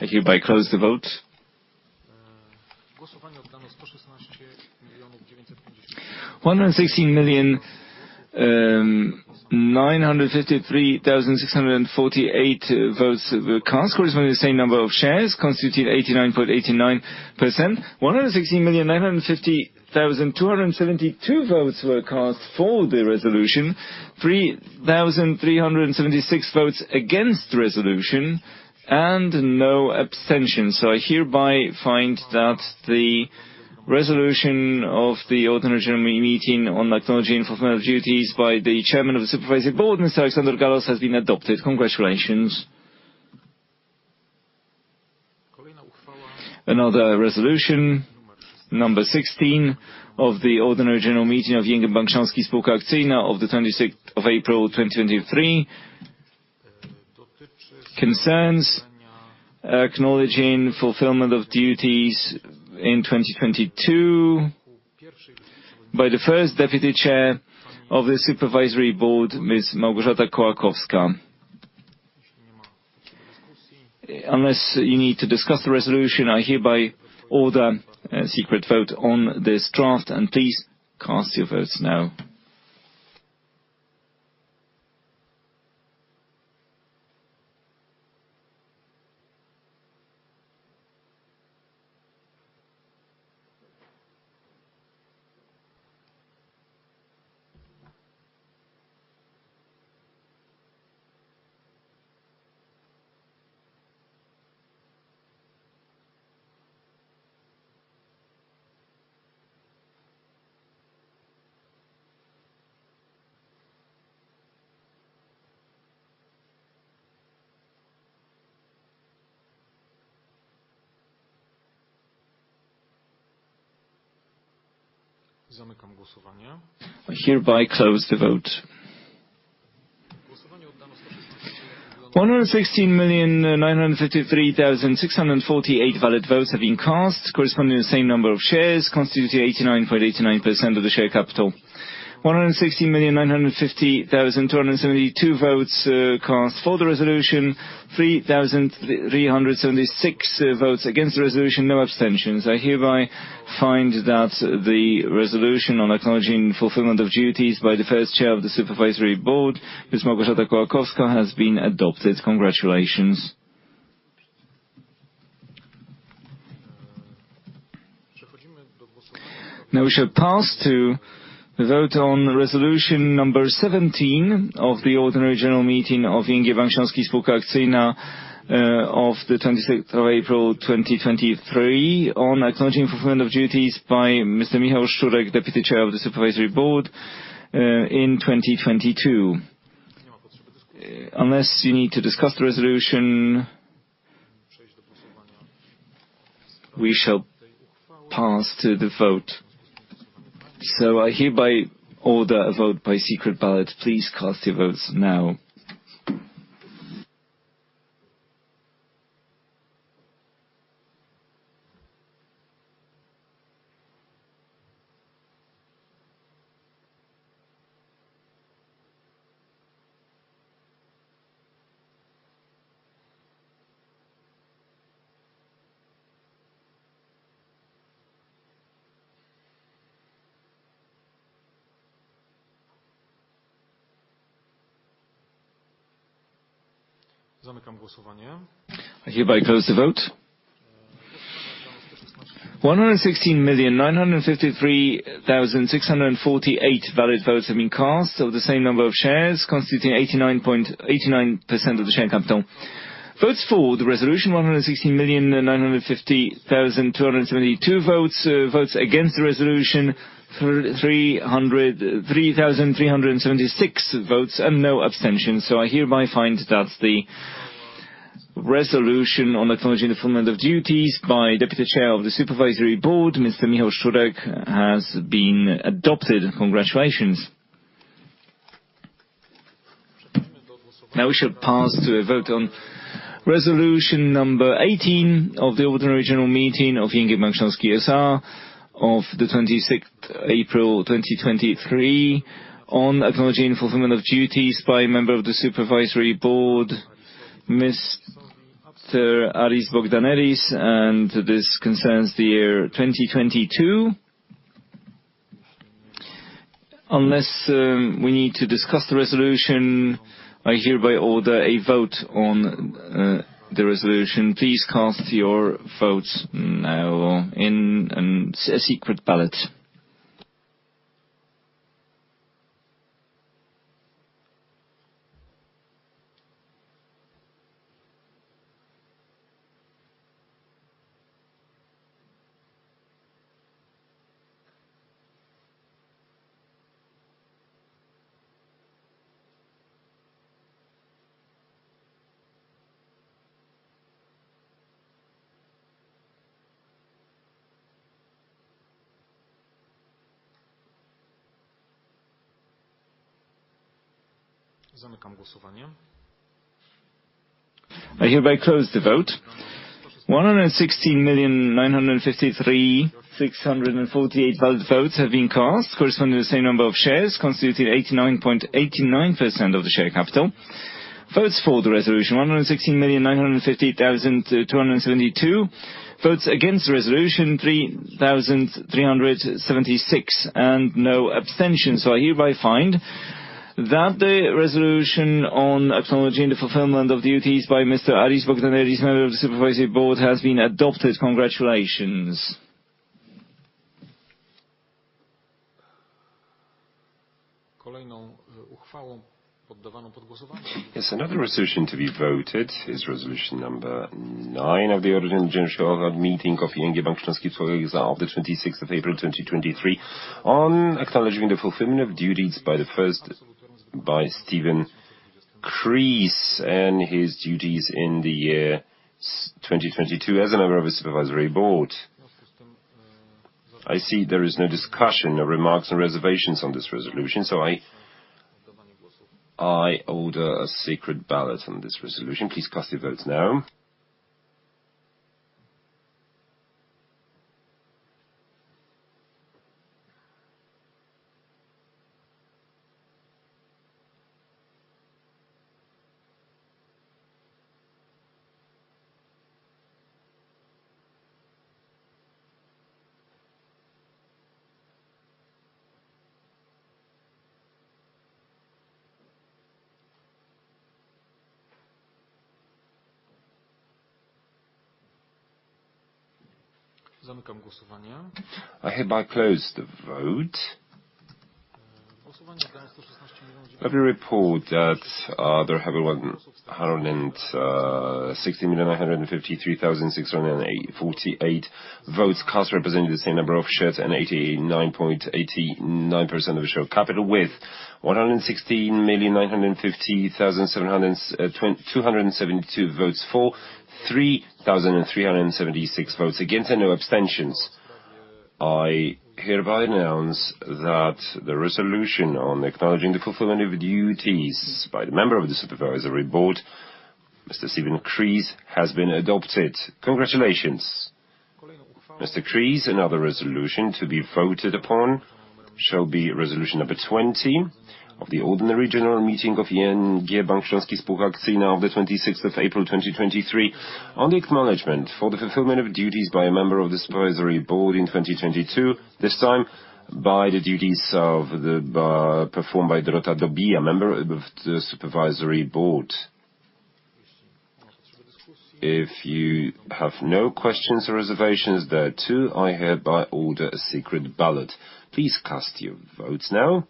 I hereby close the vote. 116,953,648 votes were cast corresponding to the same number of shares, constituted 89.89%. 116,950,272 votes were cast for the resolution. 3,376 votes against the resolution and no abstention. I hereby find that the Resolution of the ordinary General Meeting on acknowledging fulfillment of duties by the Chairman of the Supervisory Board, Mr. Aleksander Galos, has been adopted. Congratulations. Another resolution, number 16 of the ordinary General Meeting of ING Bank Śląski Spółka Akcyjna of the 26th of April 2023, concerns acknowledging fulfillment of duties in 2022 by the First Deputy Chair of the Supervisory Board, Ms. Małgorzata Kołakowska. Unless you need to discuss the resolution, I hereby order a secret vote on this draft. Please cast your votes now. I hereby close the vote. 116,953,648 valid votes have been cast, corresponding to the same number of shares, constituting 89.89% of the share capital. 116,950,272 votes cast for the resolution. 3,376 votes against the resolution. No abstentions. I hereby find that the resolution on acknowledging fulfillment of duties by the first Chair of the Supervisory Board, Ms. Małgorzata Kołakowska, has been adopted. Congratulations. Now we shall pass to the vote on resolution number 17 of the ordinary General Meeting of ING Bank Śląski Spółka Akcyjna, of the 26th of April, 2023, on acknowledging fulfillment of duties by Mr. Michał Szczurek, Deputy Chair of the Supervisory Board, in 2022. Unless you need to discuss the resolution, we shall pass to the vote. I hereby order a vote by Secret Ballot. Please cast your votes now. I hereby close the vote. 116,953,648 valid votes have been cast of the same number of shares, constituting 89.89% of the share capital. Votes for the resolution, 116,950,272 votes. Votes against the resolution, 3,376 votes, and no abstentions. I hereby find that the resolution on acknowledging the fulfillment of duties by Deputy Chair of the Supervisory Board, Mr. Michał Szczurek, has been adopted. Congratulations. We shall pass to a vote on resolution number 18 of the ordinary General Meeting of ING Bank Śląski S.A. of the 26th April, 2023, on acknowledging fulfillment of duties by a member of the Supervisory Board, Mr. Aris Bogdaneris, and this concerns the year 2022. Unless we need to discuss the resolution, I hereby order a vote on the resolution. Please cast your votes now in a Secret Ballot. I hereby close the vote. 116,953,648 valid votes have been cast corresponding to the same number of shares constituting 89.89% of the share capital. Votes for the resolution, 116,950,272. Votes against the resolution, 3,376, and no abstentions. I hereby find that the resolution on acknowledging the fulfillment of duties by Mr. Aris Bogdaneris, member of the Supervisory Board, has been adopted. Congratulations. Kolejną, uchwałą poddawaną pod głosowanie.
Yes, another resolution to be voted is resolution number 9 of the Ordinary General Meeting of ING Bank Śląski Spółka Akcyjna of the 26th of April 2023 on acknowledging the fulfillment of duties by Stephen Creese and his duties in the year 2022 as a member of the Supervisory Board. I see there is no discussion or remarks or reservations on this resolution, so I order a Secret Ballot on this resolution. Please cast your votes now.
Zamykam głosowanie. I hereby close the vote. Głosowanie oddano PLN 116 million. Let me report that there have been 160,953,648 votes cast representing the same number of shares and 89.89% of the share capital with 160,950,772 votes for, 3,376 votes against, and no abstentions. I hereby announce that the resolution on acknowledging the fulfillment of duties by the member of the Supervisory Board, Mr. Stephen Creese, has been adopted. Congratulations, Mr. Creese.
Another resolution to be voted upon shall be resolution number 20 of the Ordinary General Meeting of ING Bank Śląski Spółka Akcyjna of the 26th of April, 2023, on the acknowledgement for the fulfillment of duties by a member of the Supervisory Board in 2022, this time by the duties of the performed by Dorota Dobija, a member of the Supervisory Board. If you have no questions or reservations there too, I hereby order a Secret Ballot. Please cast your votes now.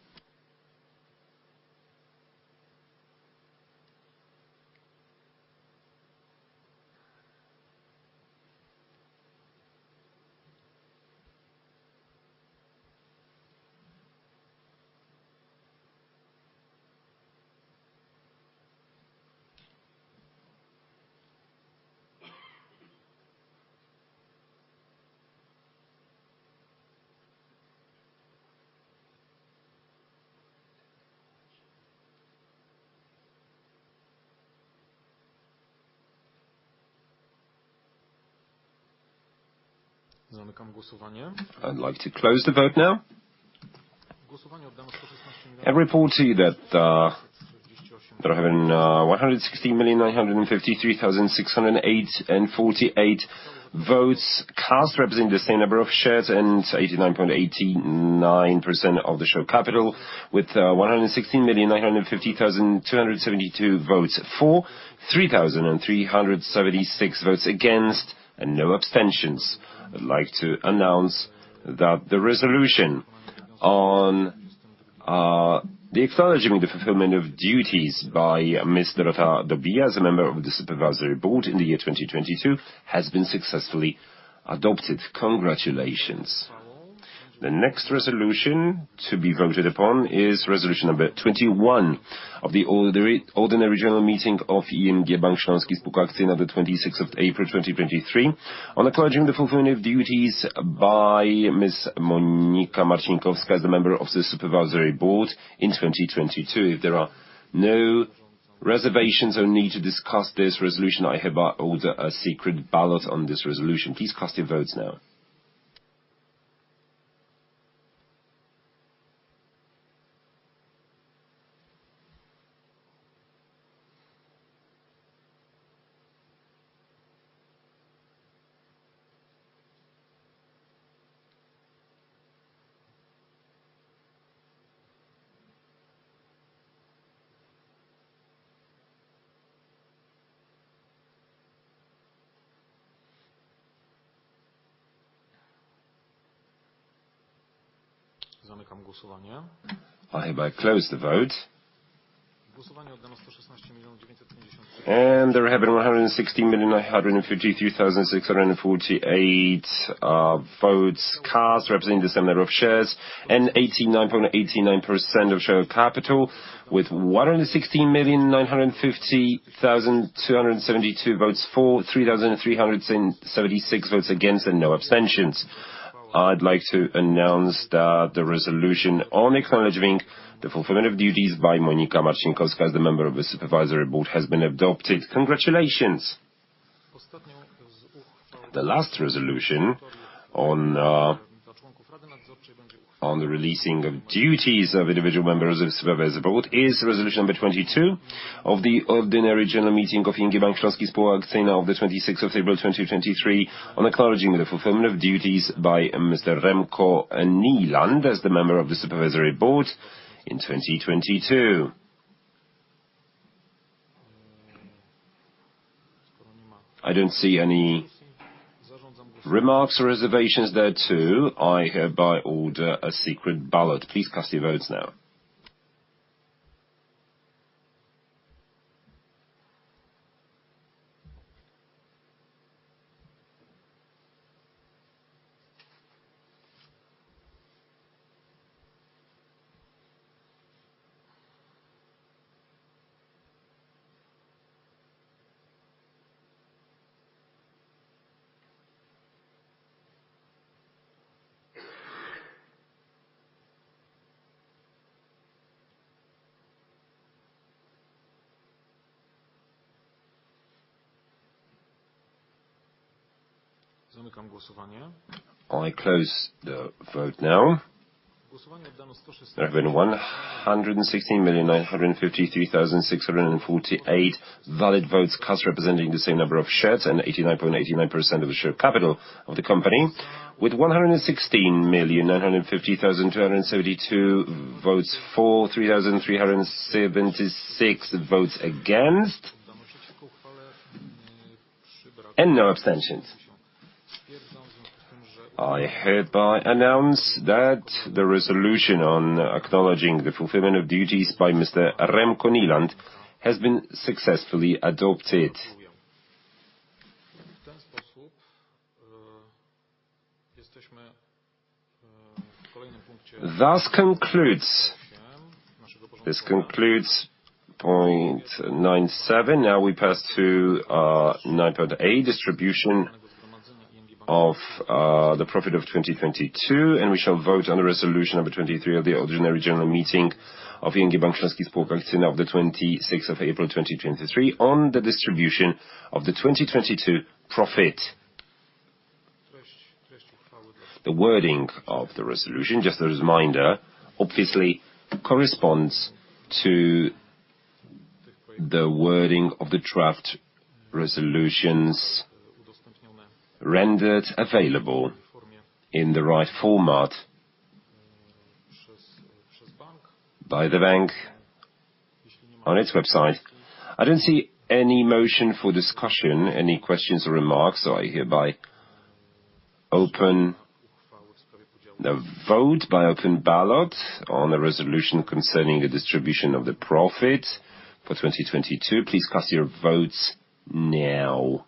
Zamykam głosowanie. I'd like to close the vote now. Głosowanie oddano PLN 116 million. Report to you that there have been 160,953,608 and 48 votes cast representing the same number of shares and 89.89% of the share capital with 116,950,272 votes for, 3,376 votes against, and no abstentions. I'd like to announce that the resolution on the acknowledging the fulfillment of duties by Ms. Dorota Dobija as a member of the Supervisory Board in the year 2022 has been successfully adopted. Congratulations. The next resolution to be voted upon is resolution number 21 of the Ordinary General Meeting of ING Bank Śląski Spółka Akcyjna of the 26th of April, 2023, on acknowledging the fulfillment of duties by Ms. Monika Marcinkowska as a member of the Supervisory Board in 2022. If there are no reservations or need to discuss this resolution, I hereby order a Secret Ballot on this resolution. Please cast your votes now. Zamykam głosowanie.
I hereby close the vote.
Głosowanie oddano 116,000,953-
There have been 160,953,648 votes cast representing the same number of shares and 89.89% of share capital with 116,950,272 votes for, 3,376 votes against, and no abstentions. I'd like to announce that the resolution on acknowledging the fulfillment of duties by Monika Marcinkowska as the member of the Supervisory Board has been adopted. Congratulations.
Ostatnią z uchwał.
The last resolution on the releasing of duties of individual members of Supervisory Board is resolution number 22 of the Ordinary General Meeting of ING Bank Śląski Spółka Akcyjna of the 26th of April, 2023, on acknowledging the fulfillment of duties by Mr. Remco Nieland as the member of the Supervisory Board in 2022. I don't see any remarks or reservations there too. I hereby order a Secret Ballot. Please cast your votes now. I close the vote now. There have been 116,953,648 valid votes cast, representing the same number of shares and 89.89% of the share capital of the company. With 116,950,272 votes for, 3,376 votes against, and no abstentions.
I hereby announce that the resolution on acknowledging the fulfillment of duties by Mr. Remco Nieland has been successfully adopted. This concludes point 9.7. Now we pass to 9.8, distribution of the profit of 2022. We shall vote on the resolution number 23 of the ordinary General Meeting of ING Bank Śląski S.A. of the 26th of April, 2023, on the distribution of the 2022 profit. The wording of the resolution, just a reminder, obviously corresponds to the wording of the draft resolutions rendered available in the right format by the bank on its website. I don't see any motion for discussion, any questions or remarks. I hereby open the vote by Open Ballot on the resolution concerning the distribution of the profit for 2022. Please cast your votes now.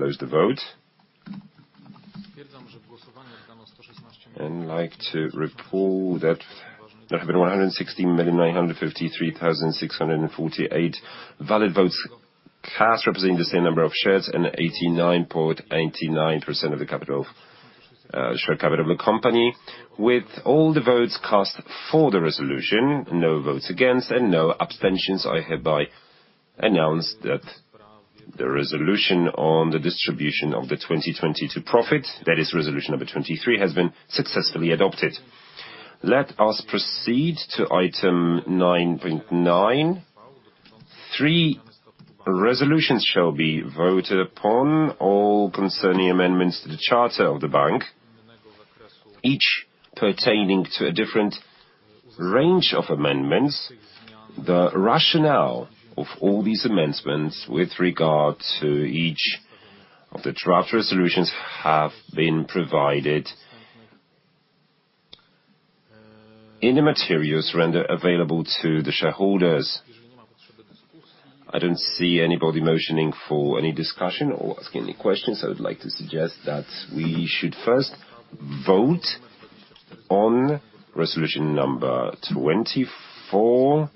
I close the vote. Like to report that there have been 116,953,648 valid votes cast, representing the same number of shares and 89.89% of the share capital of the company. With all the votes cast for the resolution, no votes against, and no abstentions, I hereby announce that the resolution on the distribution of the 2022 profit, that is resolution number 23, has been successfully adopted. Let us proceed to item 9.9. Three resolutions shall be voted upon, all concerning amendments to the charter of the bank, each pertaining to a different range of amendments. The rationale of all these amendments with regard to each of the draft resolutions have been provided in the materials rendered available to the shareholders.
I don't see anybody motioning for any discussion or asking any questions. I would like to suggest that we should first vote on resolution number 24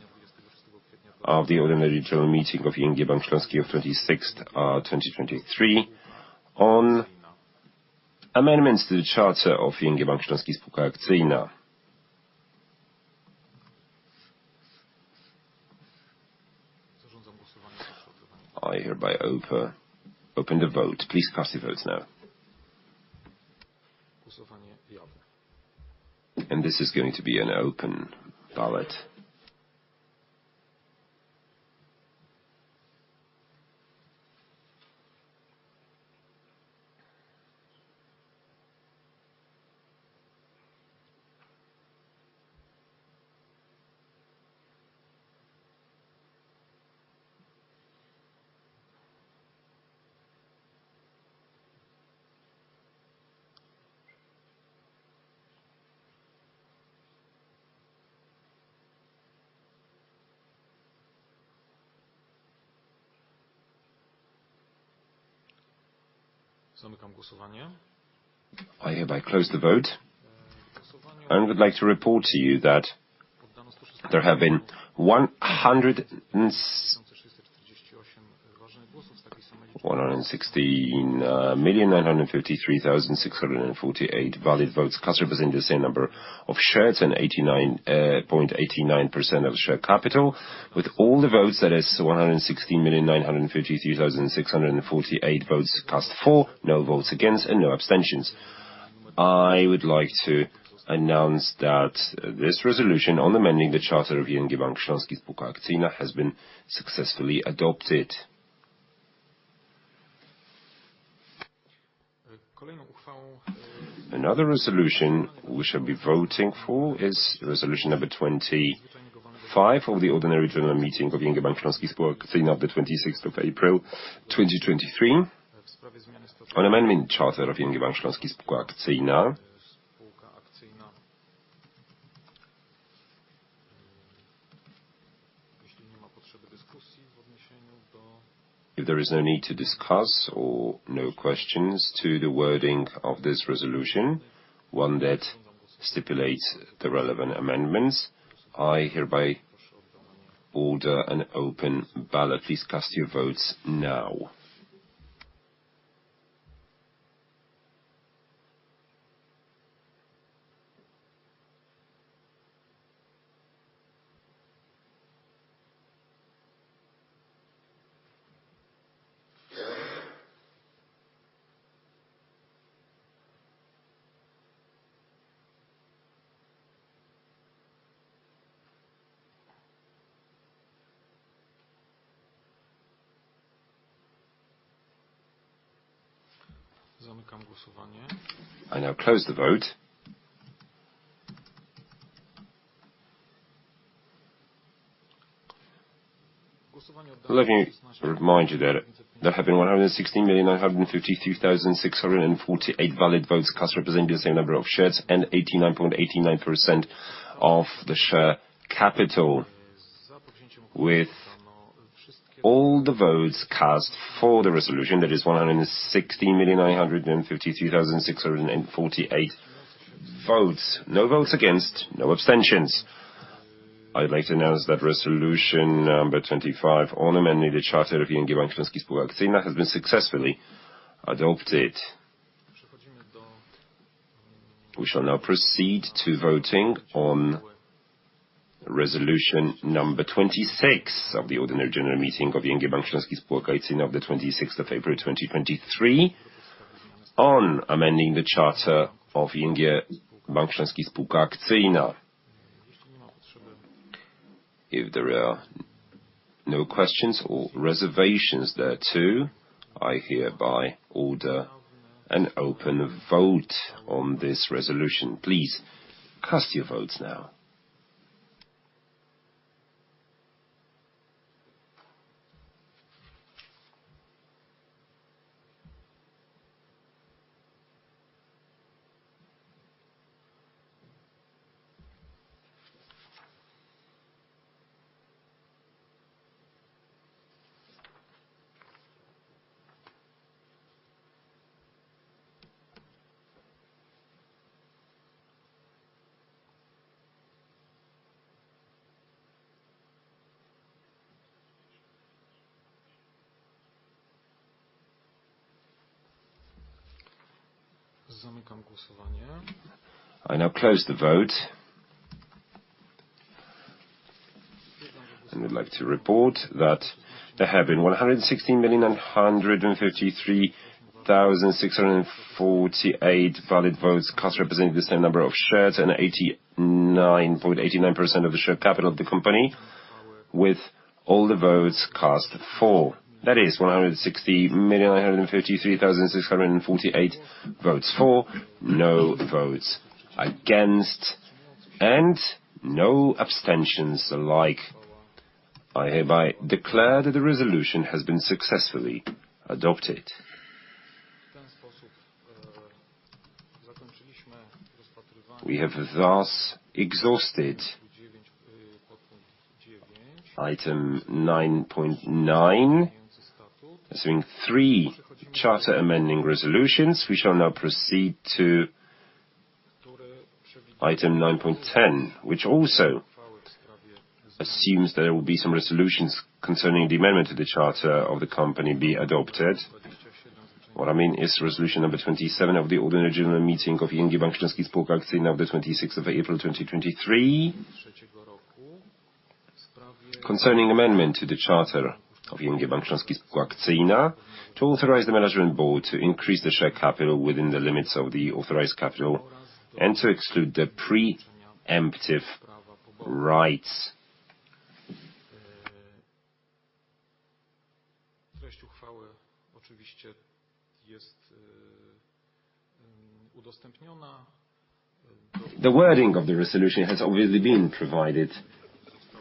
of the ordinary General Meeting of ING Bank Śląski of 26th, 2023 on amendments to the charter of ING Bank Śląski S.A. I hereby open the vote. Please cast your votes now. This is going to be an Open Ballot. i hereby close the vote. I would like to report to you that there have been 116,953,648 valid votes cast, representing the same number of shares and 89.89% of share capital, with all the votes, that is 116,953,648 votes cast for, no votes against, and no abstentions. I would like to announce that this resolution on amending the charter of ING Bank Śląski Spółka Akcyjna has been successfully adopted. Another resolution we shall be voting for is Resolution Number 25 of the Ordinary General Meeting of ING Bank Śląski Spółka Akcyjna of the 26th of April, 2023 on amending the charter of ING Bank Śląski Spółka Akcyjna. If there is no need to discuss or no questions to the wording of this resolution, one that stipulates the relevant amendments, I hereby order an Open Ballot. Please cast your votes now. I now close the vote. Let me remind you that there have been 116,953,648 valid votes cast, representing the same number of shares and 89.89% of the share capital, with all the votes cast for the resolution. That is 160,953,648 votes. No votes against, no abstentions. I'd like to announce that Resolution Number 25 on amending the charter of ING Bank Śląski Spółka Akcyjna has been successfully adopted. We shall now proceed to voting on Resolution Number 26 of the Ordinary General Meeting of ING Bank Śląski Spółka Akcyjna of the 26th of April, 2023 on amending the charter of ING Bank Śląski Spółka Akcyjna. If there are no questions or reservations thereto, I hereby order an open vote on this resolution. Please cast your votes now. I now close the vote. We'd like to report that there have been 116,953,648 valid votes cast, representing the same number of shares, and 89.89% of the share capital of the company, with all the votes cast for. That is 160,953,648 votes for, no votes against, and no abstentions alike. I hereby declare that the resolution has been successfully adopted. We have thus exhausted item 9.9, assuming 3 charter amending resolutions. We shall now proceed to item 9.10, which also assumes that there will be some resolutions concerning the amendment to the charter of the company be adopted. What I mean is Resolution Number 27 of the Ordinary General Meeting of ING Bank Śląski Spółka Akcyjna of the 26th of April, 2023 concerning amendment to the charter of ING Bank Śląski Spółka Akcyjna to authorize the Management Board to increase the share capital within the limits of the authorized capital and to exclude the pre-emptive rights. The wording of the resolution has obviously been provided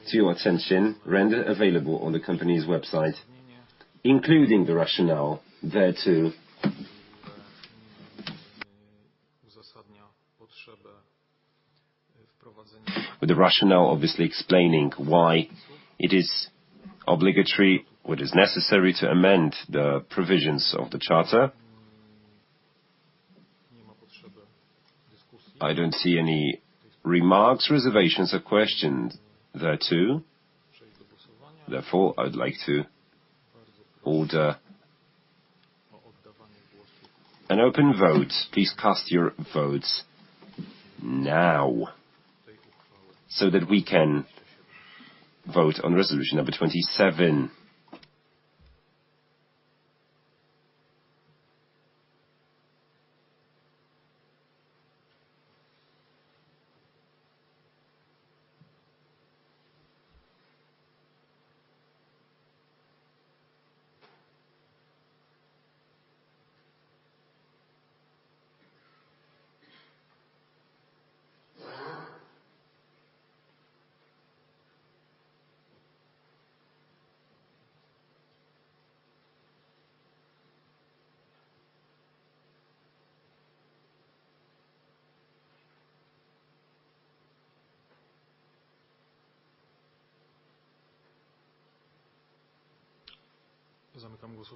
to your attention, rendered available on the company's website, including the rationale thereto.
With the rationale obviously explaining why it is obligatory, what is necessary to amend the provisions of the charter. I don't see any remarks, reservations, or questions thereto. I'd like to order an open vote. Please cast your votes now so that we can vote on resolution number 27.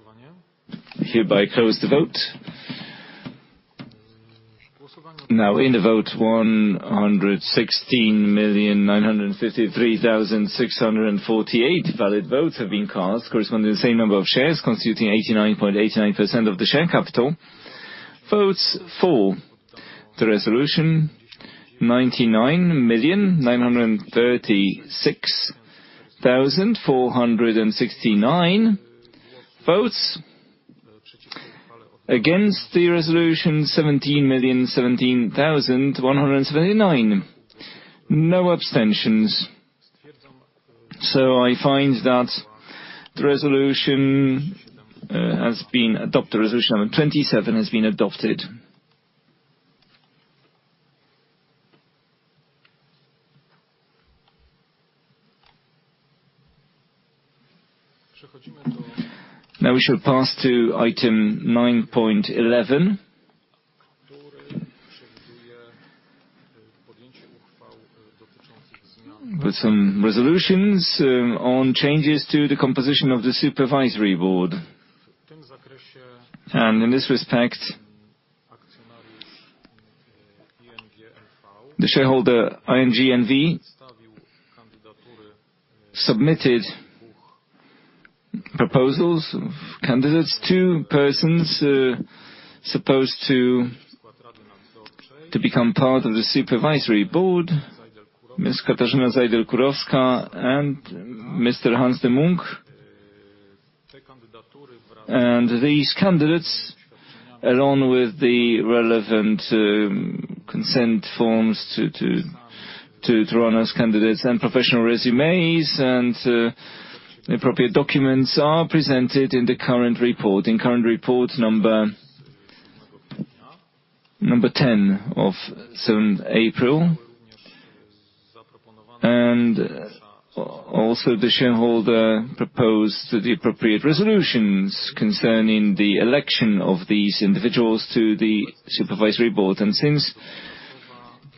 I hereby close the vote. In the vote, 116,953,648 valid votes have been cast, corresponding to the same number of shares constituting 89.89% of the share capital. Votes for the resolution, 99,936,469. Votes against the resolution, 17,017,179. No abstentions. I find that the resolution has been adopted. Resolution number 27 has been adopted. We shall pass to item 9.11. With some resolutions on changes to the composition of the supervisory board. In this respect, the shareholder, ING Bank N.V., submitted proposals of candidates, 2 persons supposed to become part of the supervisory board, Ms. Katarzyna Zajdel-Kurowska and Mr. Hans De Munck. These candidates, along with the relevant consent forms to run as candidates and professional resumes and appropriate documents are presented in the current report, in current report number 10 of 7th April. Also, the shareholder proposed the appropriate resolutions concerning the election of these individuals to the supervisory board. Since,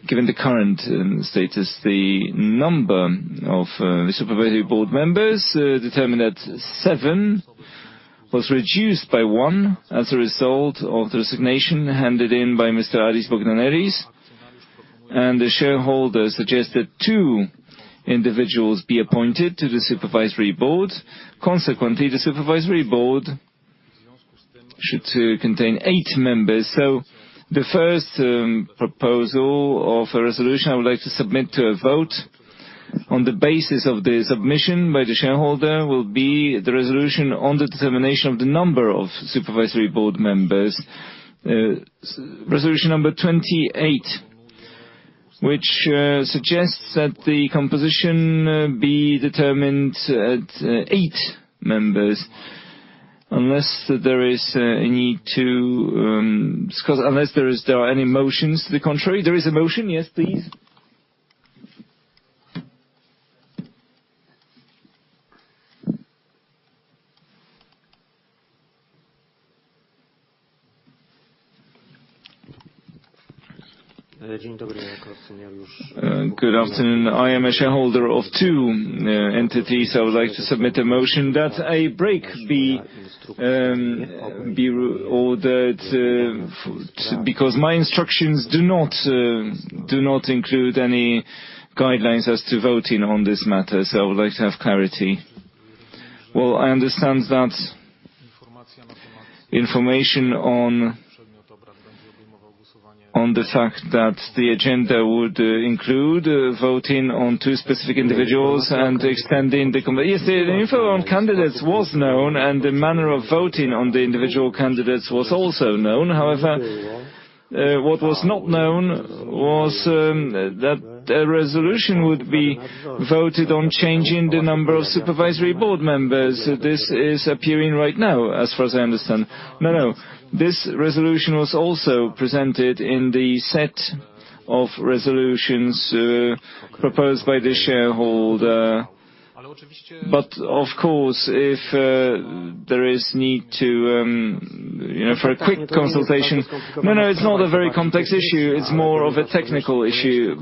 given the current status, the number of the supervisory board members determined at 7, was reduced by 1 as a result of the resignation handed in by Mr. Aris Bogdaneris. The shareholder suggested 2 individuals be appointed to the supervisory board. Consequently, the Supervisory Board should contain 8 members. The first proposal of a resolution I would like to submit to a vote on the basis of the submission by the shareholder will be the resolution on the determination of the number of Supervisory Board members. Resolution number 28, which suggests that the composition be determined at 8 members. Unless there are any motions to the contrary. There is a motion? Yes, please. Good afternoon. I am a shareholder of 2 entities. I would like to submit a motion that a break be ordered because my instructions do not include any guidelines as to voting on this matter, so I would like to have clarity. Well, I understand that information on the fact that the agenda would include voting on two specific individuals and extending the Yes, the info on candidates was known, and the manner of voting on the individual candidates was also known. However, what was not known was that a resolution would be voted on changing the number of Supervisory Board members. This is appearing right now, as far as I understand. No, no. This resolution was also presented in the set of resolutions proposed by the shareholder. Of course, if there is need to, you know, for a quick consultation. No, no, it's not a very complex issue. It's more of a technical issue.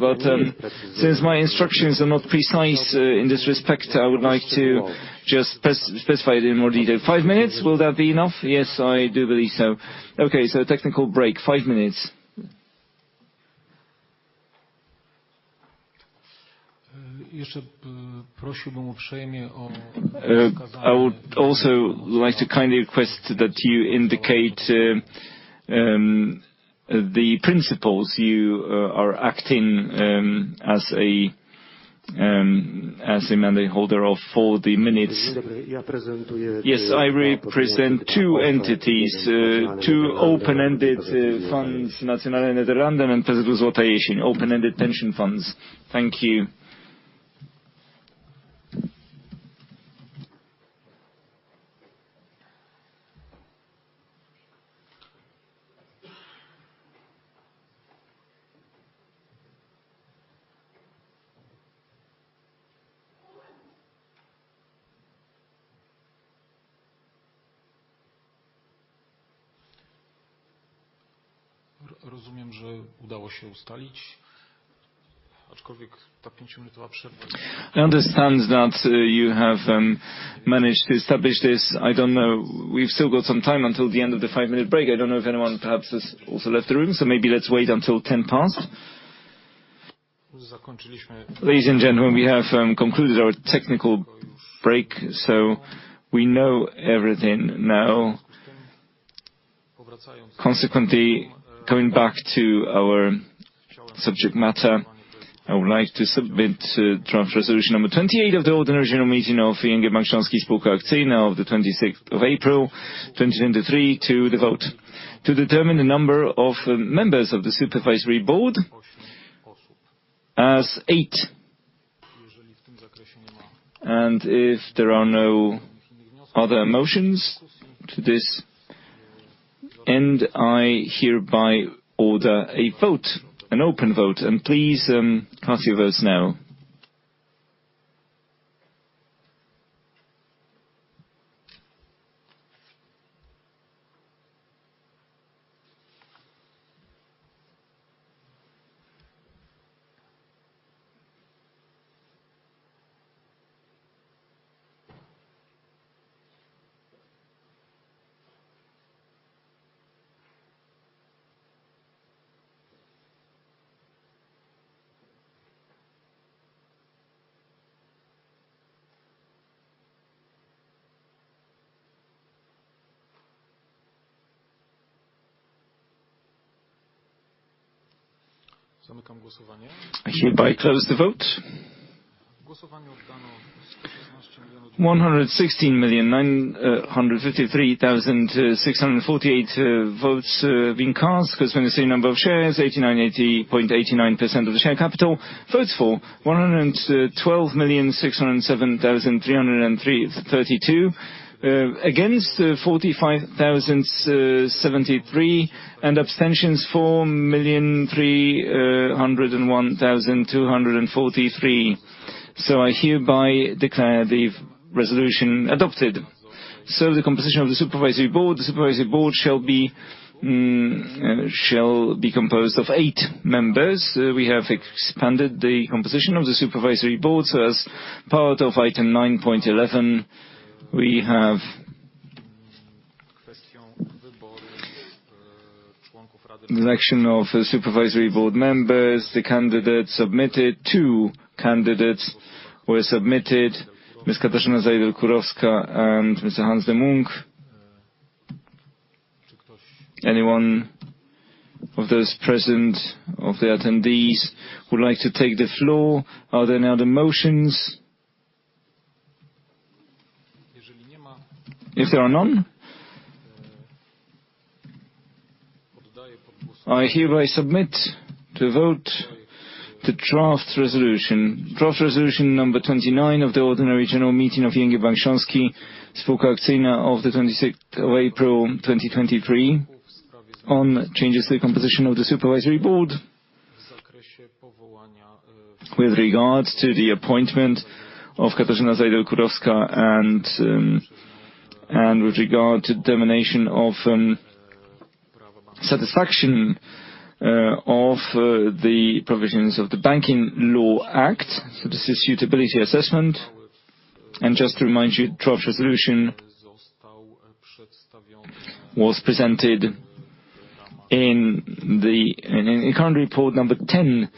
Since my instructions are not precise in this respect, I would like to just specify it in more detail. Five minutes, will that be enough? Yes, I do believe so. Okay, technical break, 5 minutes. I would also like to kindly request that you indicate the principles you are acting as a mandate holder of for the minutes. Yes, I represent 2 entities, 2 open-ended funds, Nationale-Nederlanden and PZU Złote Jesienie, open-ended pension funds. Thank you. I understand that you have managed to establish this. I don't know. We've still got some time until the end of the 5-minute break. I don't know if anyone perhaps has also left the room, so maybe let's wait until ten past. Ladies and gentlemen, we have concluded our technical break, so we know everything now. Consequently, coming back to our subject matter, I would like to submit draft resolution number 28 of the ordinary General Meeting of ING Bank Śląski S.A. of the 26th of April 2023 to the vote to determine the number of members of the Supervisory Board as 8. If there are no other motions to this, I hereby order a vote, an open vote. Please, cast your votes now. I hereby close the vote. 116,953,648 votes being cast. Corresponding number of shares, 8,980.89% of the share capital. Votes for, 112,607,332. Against, 45,073. Abstentions, 4,301,243. I hereby declare the resolution adopted. The composition of the Supervisory Board. The Supervisory Board shall be, shall be composed of eight members. We have expanded the composition of the Supervisory Board. As part of item 9.11, we have the election of the Supervisory Board members. The candidates submitted. Two candidates were submitted, Ms. Katarzyna Zajdel-Kurowska and Mr. Hans de Munck. Anyone of those present of the attendees would like to take the floor? Are there any other motions? If there are none, I hereby submit to vote the draft resolution. Draft Resolution number 29 of the ordinary General Meeting of ING Bank Śląski S.A. of the 26th of April, 2023 on changes to the composition of the Supervisory Board with regards to the appointment of Katarzyna Zajdel-Kurowska and with regard to determination of satisfaction of the provisions of the Banking Law Act. This is suitability assessment. Just to remind you, draft resolution was presented in the, in current report number 10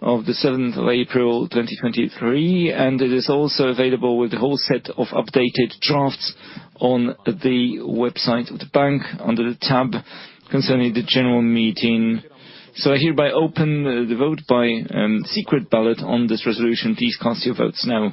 of the 7th of April, 2023. It is also available with the whole set of updated drafts on the website of the bank under the tab concerning the General Meeting. I hereby open the vote by Secret Ballot on this resolution. Please cast your votes now.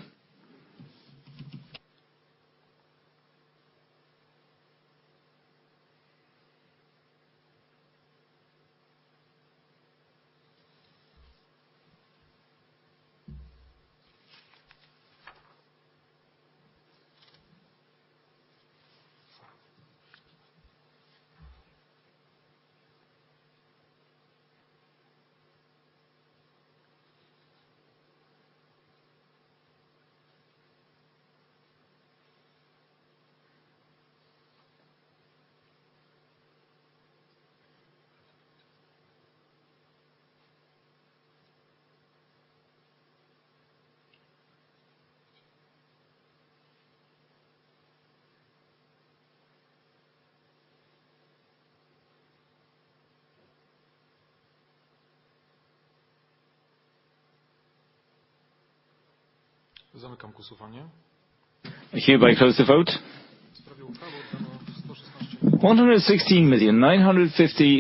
Zamykam głosowanie. I hereby close the vote. W sprawie uchwały numer sto szesnaście.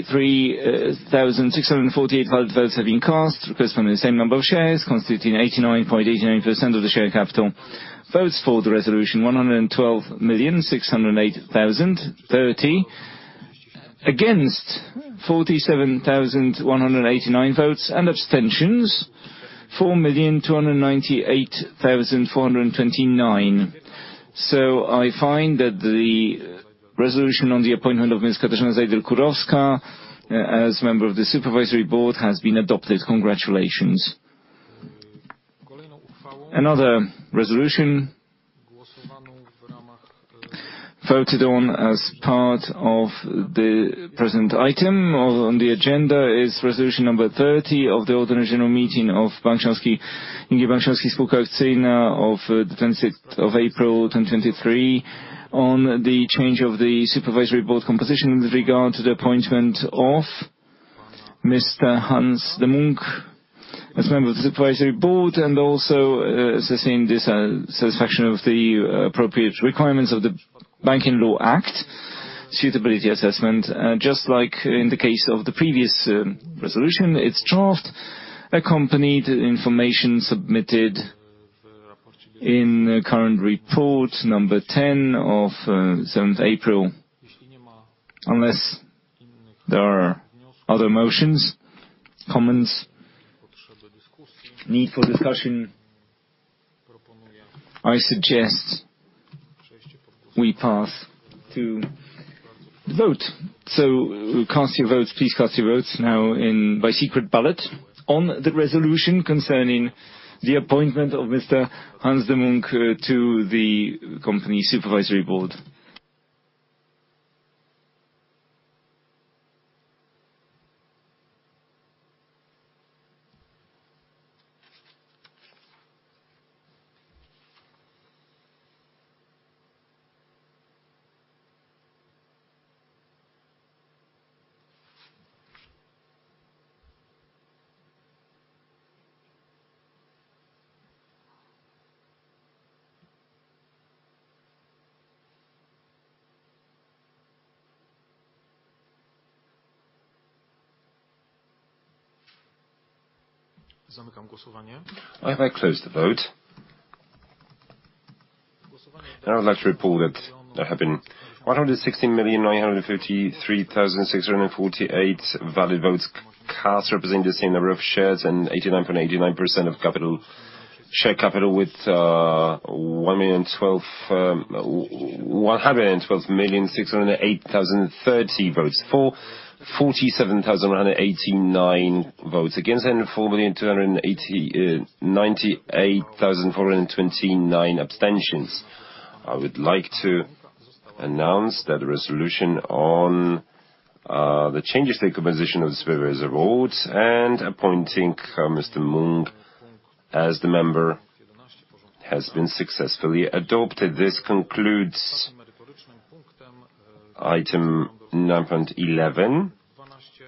116,953,648 valid votes have been cast representing the same number of shares constituting 89.89% of the share capital. Votes for the resolution 112,608,030, against 47,189 votes, and abstentions 4,298,429. I find that the resolution on the appointment of Ms. Katarzyna Zajdel-Kurowska as member of the supervisory board has been adopted. Congratulations. Another resolution... Voted on as part of the present item on the agenda is resolution 30 of the ordinary General Meeting of Bank Śląski, ING Bank Śląski Spółka Akcyjna of the 26th of April, 2023, on the change of the Supervisory Board composition with regard to the appointment of Mr. Hans De Munck as member of the Supervisory Board and also assessing this satisfaction of the appropriate requirements of the Banking Law Act suitability assessment. Just like in the case of the previous resolution, its draft accompanied information submitted in the current report 10 of 7th April. Unless there are other motions, comments, need for discussion, I suggest we pass to the vote. Cast your votes. Please cast your votes now by Secret Ballot on the resolution concerning the appointment of Mr. Hans De Munck to the company Supervisory Board. Zamykam głosowanie. I have now closed the vote. I would like to report that there have been 116,953,648 valid votes cast representing the same number of shares and 89.89% of capital, share capital, with 112,608,030 votes for, 47,189 votes against, and 4,298,429 abstentions. I would like to announce that the resolution on the changes to the composition of the Supervisory Board and appointing Mr. De Munck as the member has been successfully adopted. This concludes item 9.11,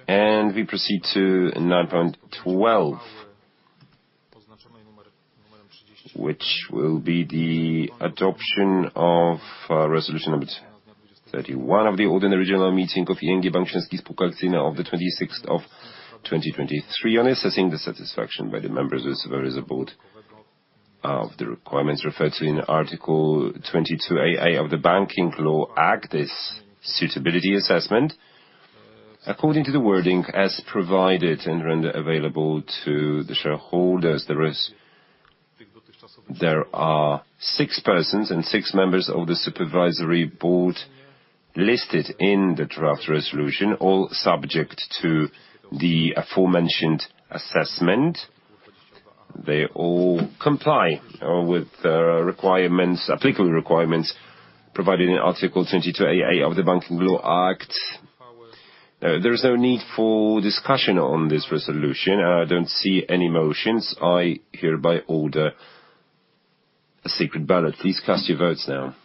and we proceed to 9.12, which will be the adoption of resolution number 31 of the ordinary General Meeting of ING Bank Śląski Spółka Akcyjna of the 26th of 2023 on assessing the satisfaction by the members of the supervisory board of the requirements referred to in Article 22aa of the Banking Law Act, this suitability assessment. According to the wording as provided and rendered available to the shareholders, there are 6 persons and 6 members of the supervisory board listed in the draft resolution, all subject to the aforementioned assessment. They all comply with the applicable requirements provided in Article 22aa of the Banking Law Act. There is no need for discussion on this resolution. I don't see any motions. I hereby order a Secret Ballot. Please cast your votes now.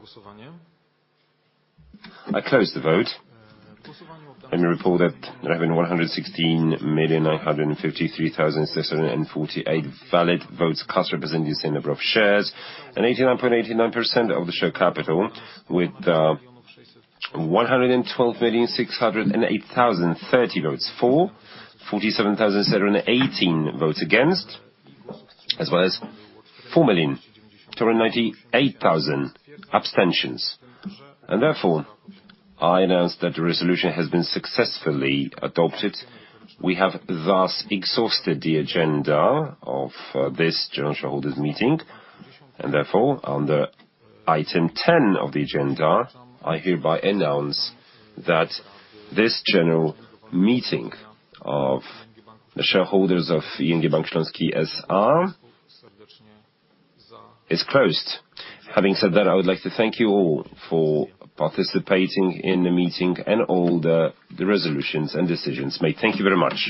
Zamykam głosowanie. I close the vote. Let me report that there have been 116,953,648 valid votes cast representing the same number of shares, and 89.89% of the share capital, with 112,608,030 votes for, 47,718 votes against, as well as 4,298,000 abstentions. I announce that the resolution has been successfully adopted. We have thus exhausted the agenda of this general shareholders' meeting. Under item 10 of the agenda, I hereby announce that this General Meeting of the shareholders of ING Bank Śląski S.A. is closed. Having said that, I would like to thank you all for participating in the meeting and all the resolutions and decisions made. Thank you very much.